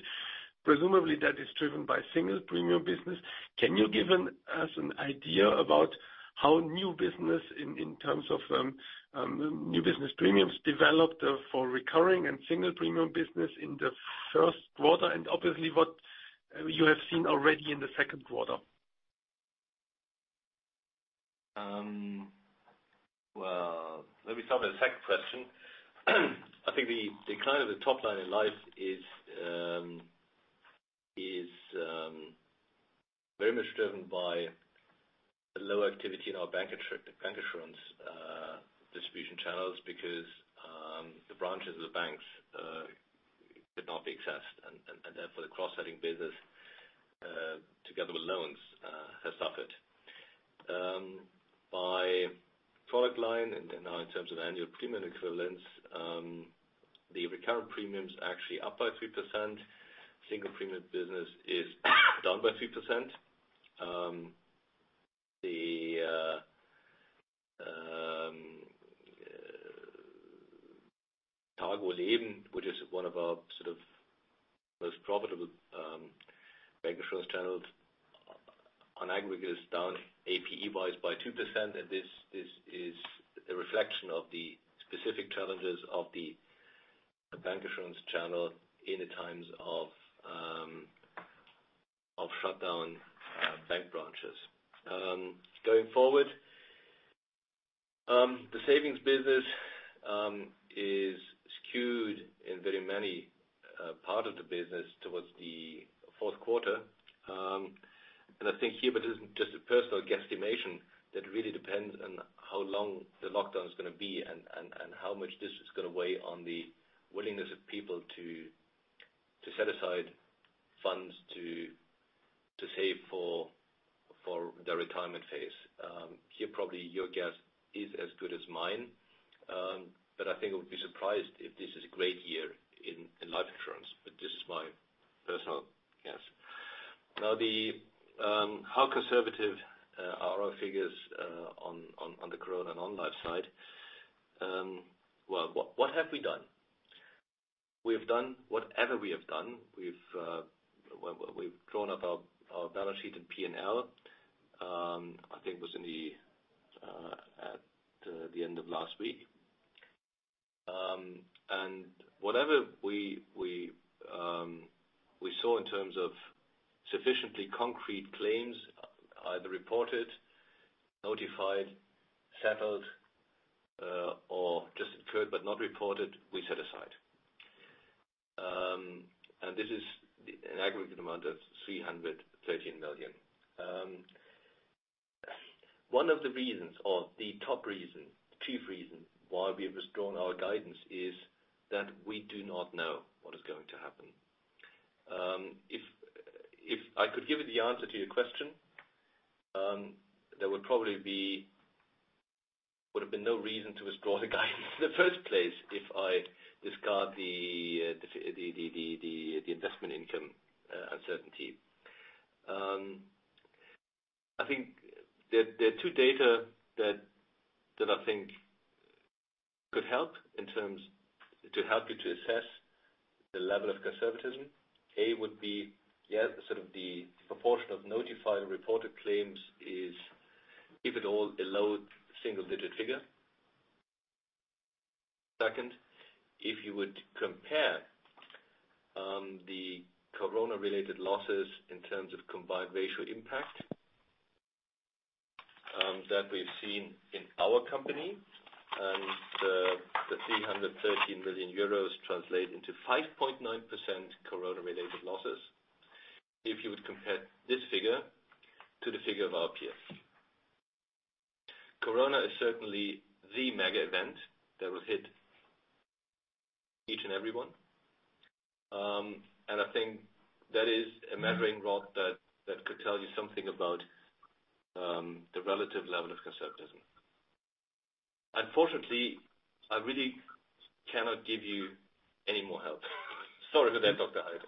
Presumably, that is driven by single premium business. Can you give us an idea about how new business in terms of new business premiums developed for recurring and single premium business in the first quarter, and obviously, what you have seen already in the second quarter? Well, let me start with the second question. I think the decline of the top line in Life is very much driven by the low activity in our bancassurance distribution channels, because the branches of the banks could not be accessed, and therefore the cross-selling business, together with loans, has suffered. By product line, now in terms of annual premium equivalents, the recurrent premium is actually up by 3%. Single premium business is down by 3%. The TARGO Leben, which is one of our most profitable bancassurance channels, on aggregate, is down APE-wise by 2%, this is a reflection of the specific challenges of the bancassurance channel in the times of shutdown bank branches. Going forward, the savings business is skewed in very many part of the business towards the fourth quarter. I think here, but it is just a personal guesstimation, that really depends on how long the lockdown is going to be and how much this is going to weigh on the willingness of people to set aside funds to save for their retirement phase. Here, probably your guess is as good as mine. I think I would be surprised if this is a great year in life insurance, but this is my personal guess. How conservative are our figures on the corona non-life side? What have we done? We have done whatever we have done. We’ve drawn up our balance sheet and P&L. I think it was at the end of last week. Whatever we saw in terms of sufficiently concrete claims, either reported, notified, settled, or just occurred, but not reported, we set aside. This is an aggregate amount of 313 million. One of the reasons or the top reason, chief reason why we have withdrawn our guidance is that we do not know what is going to happen. If I could give you the answer to your question, there would have been no reason to withdraw the guidance in the first place if I discard the investment income uncertainty. There are two data that To help you to assess the level of conservatism, A, would be sort of the proportion of notified reported claims is, if at all, a low single-digit figure. Second, if you would compare the corona-related losses in terms of combined ratio impact that we've seen in our company. The 313 million euros translate into 5.9% corona-related losses. If you would compare this figure to the figure of our peers. Corona is certainly the mega event that will hit each and everyone. I think that is a measuring rod that could tell you something about the relative level of conservatism. Unfortunately, I really cannot give you any more help. Sorry for that, Dr. Haid.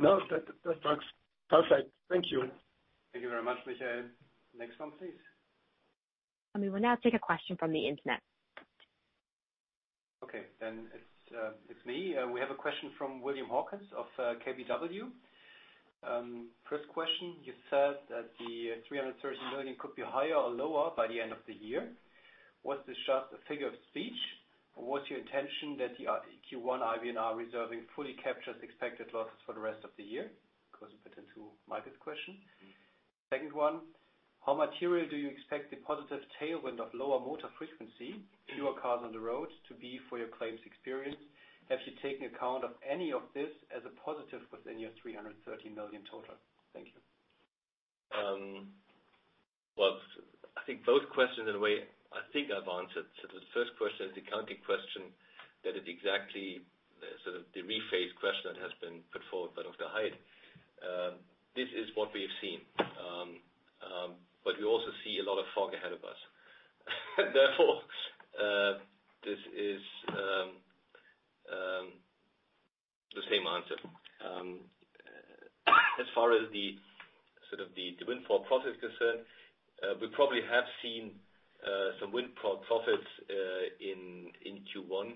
No, that's perfect. Thank you. Thank you very much, Michael. Next one, please. We will now take a question from the internet. It's me. We have a question from William Hawkins of KBW. First question, you said that the 330 million could be higher or lower by the end of the year. Was this just a figure of speech, or was your intention that the Q1 IBNR reserving fully captures expected losses for the rest of the year? Goes a bit into Michael's question. Second one, how material do you expect the positive tailwind of lower motor frequency, fewer cars on the road, to be for your claims experience? Have you taken account of any of this as a positive within your 330 million total? Thank you. Well, I think both questions, in a way, I think I've answered. The first question is the accounting question that is exactly the rephrased question that has been put forward by Dr. Haid. This is what we have seen. We also see a lot of fog ahead of us. Therefore, this is the same answer. As far as the windfall profit is concerned, we probably have seen some windfall profits in Q1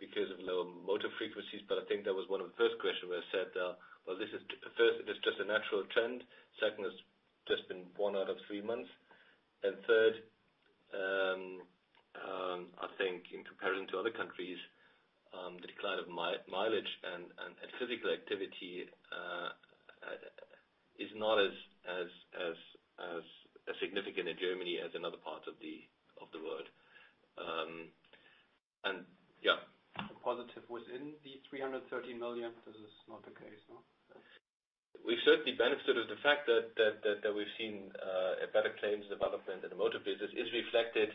because of lower motor frequencies. I think that was one of the first questions where I said, well, first, it is just a natural trend. Second, it's just been one out of three months. Third, I think in comparison to other countries, the decline of mileage and physical activity is not as significant in Germany as another part of the world. Positive within the 330 million. This is not the case, no? We certainly benefited the fact that we've seen a better claims development in the motor business is reflected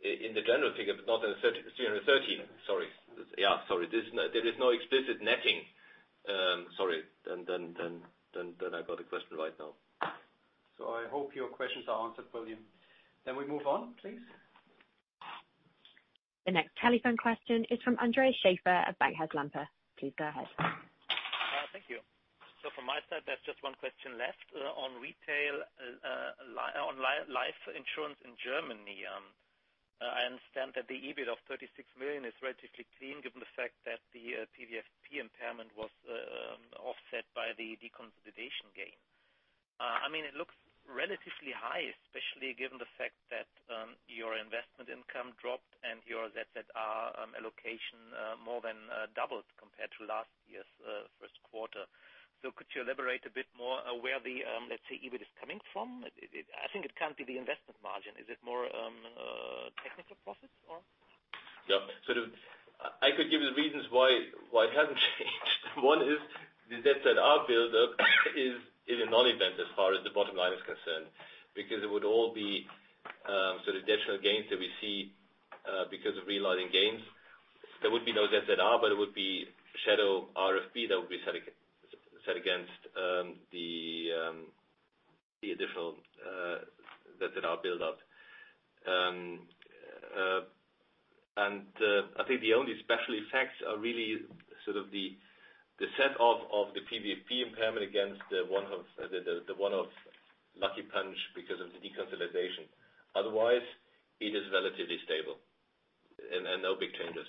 in the general figure, but not in the 330 million. Sorry. Yeah, sorry. There is no explicit netting. Sorry. I got the question right now. I hope your questions are answered, William. We move on, please. The next telephone question is from Andreas Schäfer of Bankhaus Lampe. Please go ahead. Thank you. From my side, there's just one question left. On retail, on life insurance in Germany, I understand that the EBIT of 36 million is relatively clean given the fact that the PVFP impairment was offset by the deconsolidation gain. It looks relatively high, especially given the fact that your investment income dropped and your ZZR allocation more than doubled compared to last year's first quarter. Could you elaborate a bit more where the, let's say, EBIT is coming from? I think it can't be the investment margin. Is it more technical profits, or? Yeah. I could give you the reasons why it hasn't changed. One is the ZZR buildup is a non-event as far as the bottom line is concerned, because it would all be additional gains that we see because of reloading gains. There would be no ZZR, but it would be shadow RfB that would be set against the additional ZZR buildup. I think the only special effects are really the set off of the PVFP impairment against the one-off lucky punch because of the deconsolidation. Otherwise, it is relatively stable and no big changes.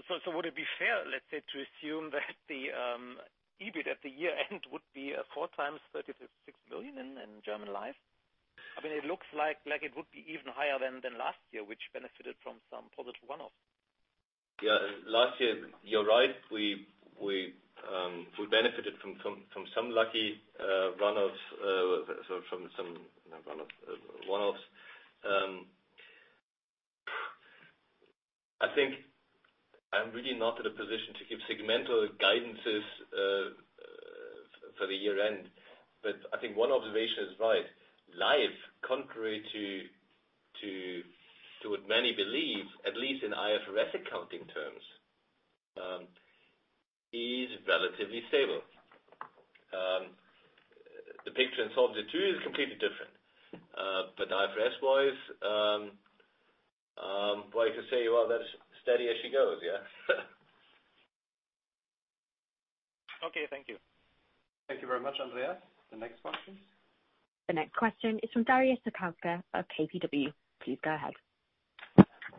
Would it be fair, let's say, to assume that the EBIT at the year-end would be four times 36 million in German Life? It looks like it would be even higher than last year, which benefited from some positive one-offs. Yeah. Last year, you're right. We benefited from some lucky one-offs. I think I'm really not in a position to give segmental guidances for the year-end. I think one observation is right. Life, contrary to what many believe, at least in IFRS accounting terms, is relatively stable. The picture in Solvency 2 is completely different. IFRS wise, what I can say, well, that is steady as she goes, yeah? Okay, thank you. Thank you very much, Andreas. The next question. The next question is from [Darius Satkauskas] of KBW. Please go ahead.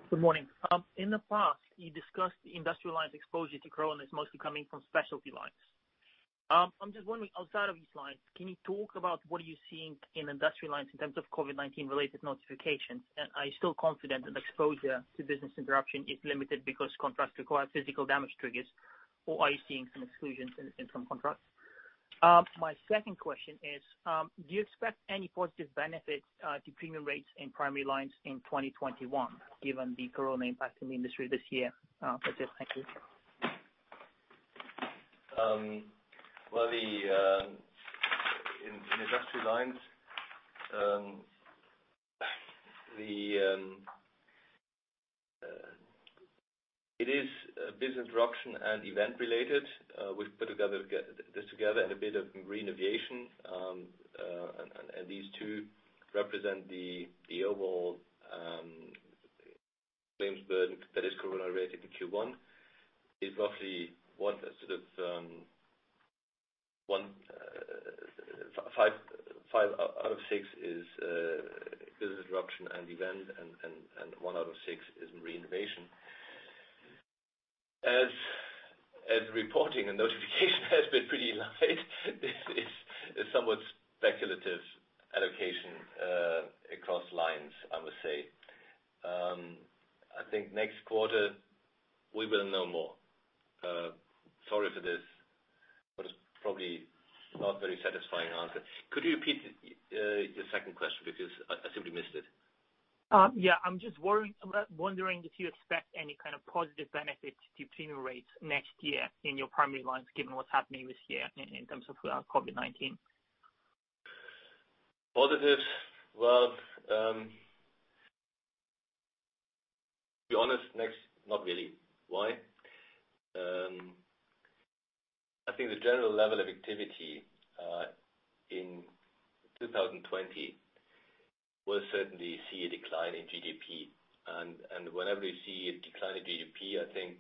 Good morning. In the past, you discussed the industrial lines exposure to corona is mostly coming from specialty lines. I'm just wondering, outside of these lines, can you talk about what are you seeing in industrial lines in terms of COVID-19 related notifications? Are you still confident that exposure to business interruption is limited because contracts require physical damage triggers, or are you seeing some exclusions in some contracts? My second question is, do you expect any positive benefits to premium rates in primary lines in 2021, given the corona impact in the industry this year? That's it. Thank you. Well, in industrial lines, it is business interruption and event related. We've put this together and a bit of re-innovation. These two represent the overall claims burden that is corona related in Q1. It's roughly five out of six is business interruption and event, and one out of six is re-innovation. As reporting and notification has been pretty light, this is somewhat speculative allocation across lines, I would say. I think next quarter, we will know more. Sorry for this, but it's probably not very satisfying answer. Could you repeat your second question? Because I simply missed it. Yeah. I'm just wondering if you expect any kind of positive benefit to premium rates next year in your primary lines, given what's happening this year in terms of COVID-19. Positive. Well, to be honest, not really. Why? I think the general level of activity, in 2020, will certainly see a decline in GDP. Whenever you see a decline in GDP, I think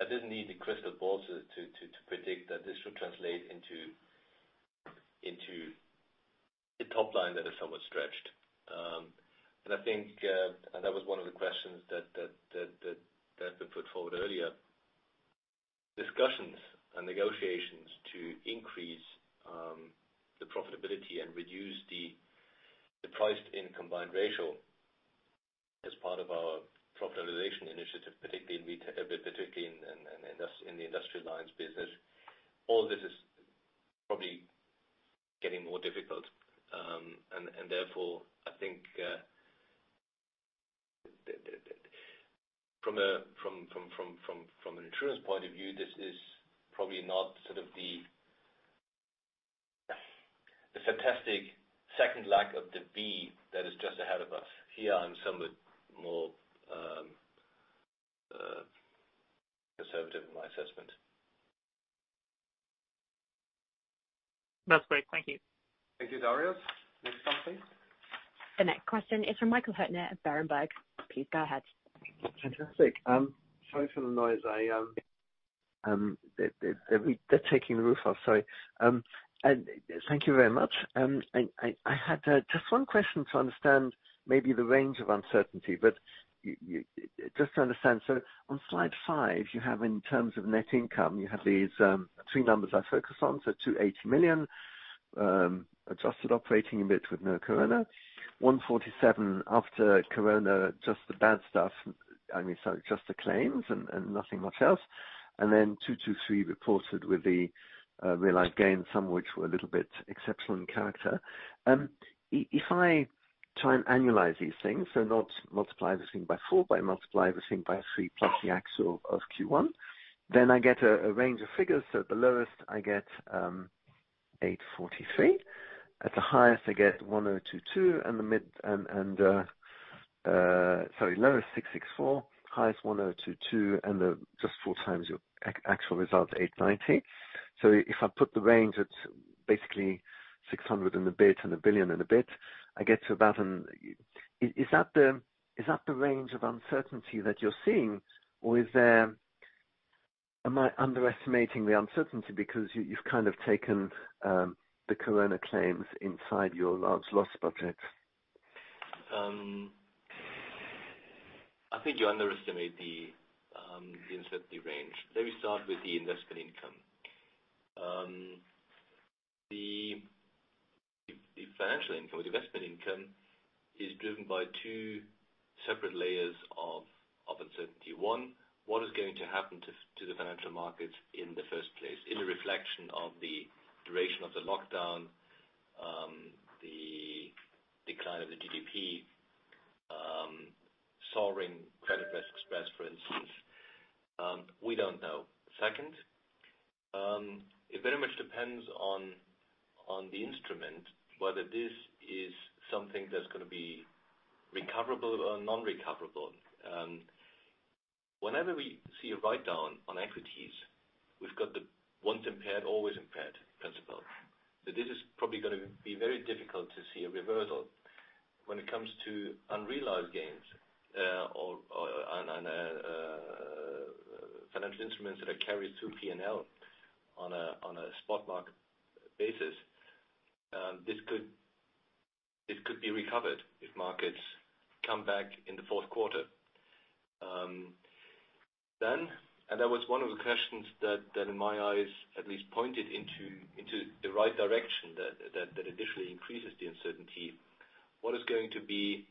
I didn't need a crystal ball to predict that this should translate into the top line that is somewhat stretched. That was one of the questions that has been put forward earlier. Discussions and negotiations to increase the profitability and reduce the priced in combined ratio as part of our profit realization initiative, particularly in the industrial lines business, all this is probably getting more difficult. Therefore, I think from an insurance point of view, this is probably not sort of the fantastic second leg of the V that is just ahead of us. Here, I'm somewhat more conservative in my assessment. That's great. Thank you. Thank you. Darius. Next one, please. The next question is from Michael Huttner of Berenberg. Please go ahead. Fantastic. Sorry for the noise. They're taking the roof off. Sorry. Thank you very much. I had just one question to understand maybe the range of uncertainty. Just to understand. On slide five, you have in terms of net income, you have these three numbers I focus on. 280 million adjusted operating EBIT with no corona. 147 after corona, just the bad stuff. I mean, sorry, just the claims and nothing much else. 223 reported with the realized gains, some which were a little bit exceptional in character. If I try and annualize these things, not multiply this thing by four, I multiply this thing by three plus the actual of Q1, I get a range of figures. At the lowest I get 843. At the highest, I get 1,022 and the lowest 664, highest 1,022, and the just four times your actual result, 890. If I put the range at basically 600 and a bit and 1 billion and a bit, I get to about. Is that the range of uncertainty that you're seeing, or am I underestimating the uncertainty because you've kind of taken the corona claims inside your large loss budget? I think you underestimate the uncertainty range. Let me start with the investment income. The financial income or the investment income is driven by two separate layers of uncertainty. One, what is going to happen to the financial markets in the first place in a reflection of the duration of the lockdown, the decline of the GDP, soaring credit risk spreads, for instance? We don't know. Second, it very much depends on the instrument, whether this is something that's going to be recoverable or non-recoverable. Whenever we see a write-down on equities, we've got the once impaired, always impaired principle. This is probably going to be very difficult to see a reversal. When it comes to unrealized gains or on financial instruments that are carried through P&L on a spot market basis, this could be recovered if markets come back in the fourth quarter. That was one of the questions that in my eyes at least pointed into the right direction that additionally increases the uncertainty. What is going to be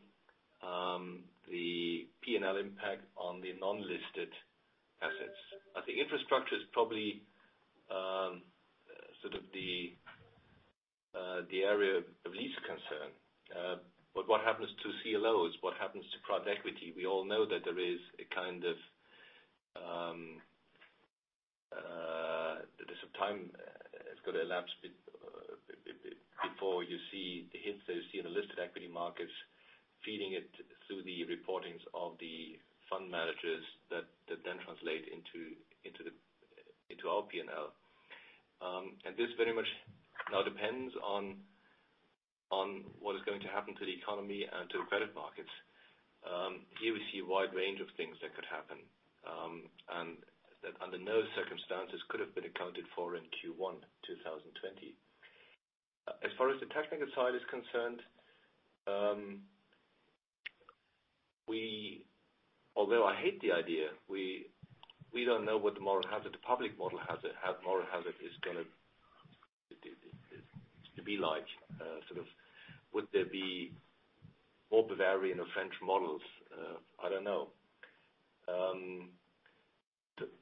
the P&L impact on the non-listed assets? I think infrastructure is probably the area of least concern. What happens to CLOs? What happens to private equity? We all know that there's a time that's got to elapse before you see the hints that you see in the listed equity markets feeding it through the reportings of the fund managers that then translate into our P&L. This very much now depends on what is going to happen to the economy and to the credit markets. Here we see a wide range of things that could happen and that under no circumstances could have been accounted for in Q1 2020. As far as the technical side is concerned, although I hate the idea, we don't know what the public model hazard is going to be like. Would there be more Bavarian or French models? I don't know.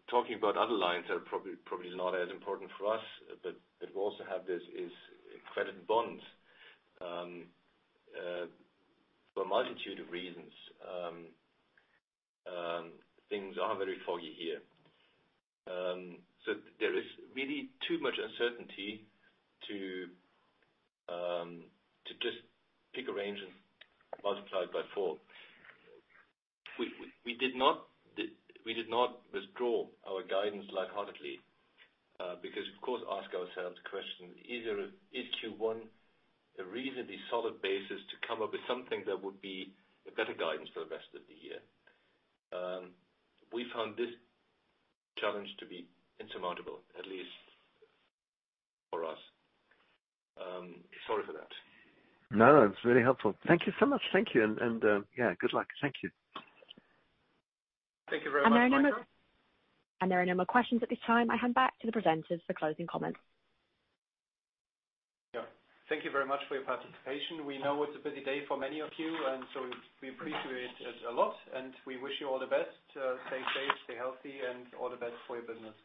Talking about other lines that are probably not as important for us, but we also have this, is credit bonds. For a multitude of reasons things are very foggy here. There is really too much uncertainty to just pick a range and multiply it by four. We did not withdraw our guidance lightheartedly because, of course, ask ourselves the question, is Q1 a reasonably solid basis to come up with something that would be a better guidance for the rest of the year? We found this challenge to be insurmountable, at least for us. Sorry for that. No, it's really helpful. Thank you so much. Thank you. Yeah, good luck. Thank you. Thank you very much, Michael. There are no more questions at this time. I hand back to the presenters for closing comments. Yeah. Thank you very much for your participation. We know it's a busy day for many of you, and so we appreciate it a lot, and we wish you all the best. Stay safe, stay healthy, and all the best for your business.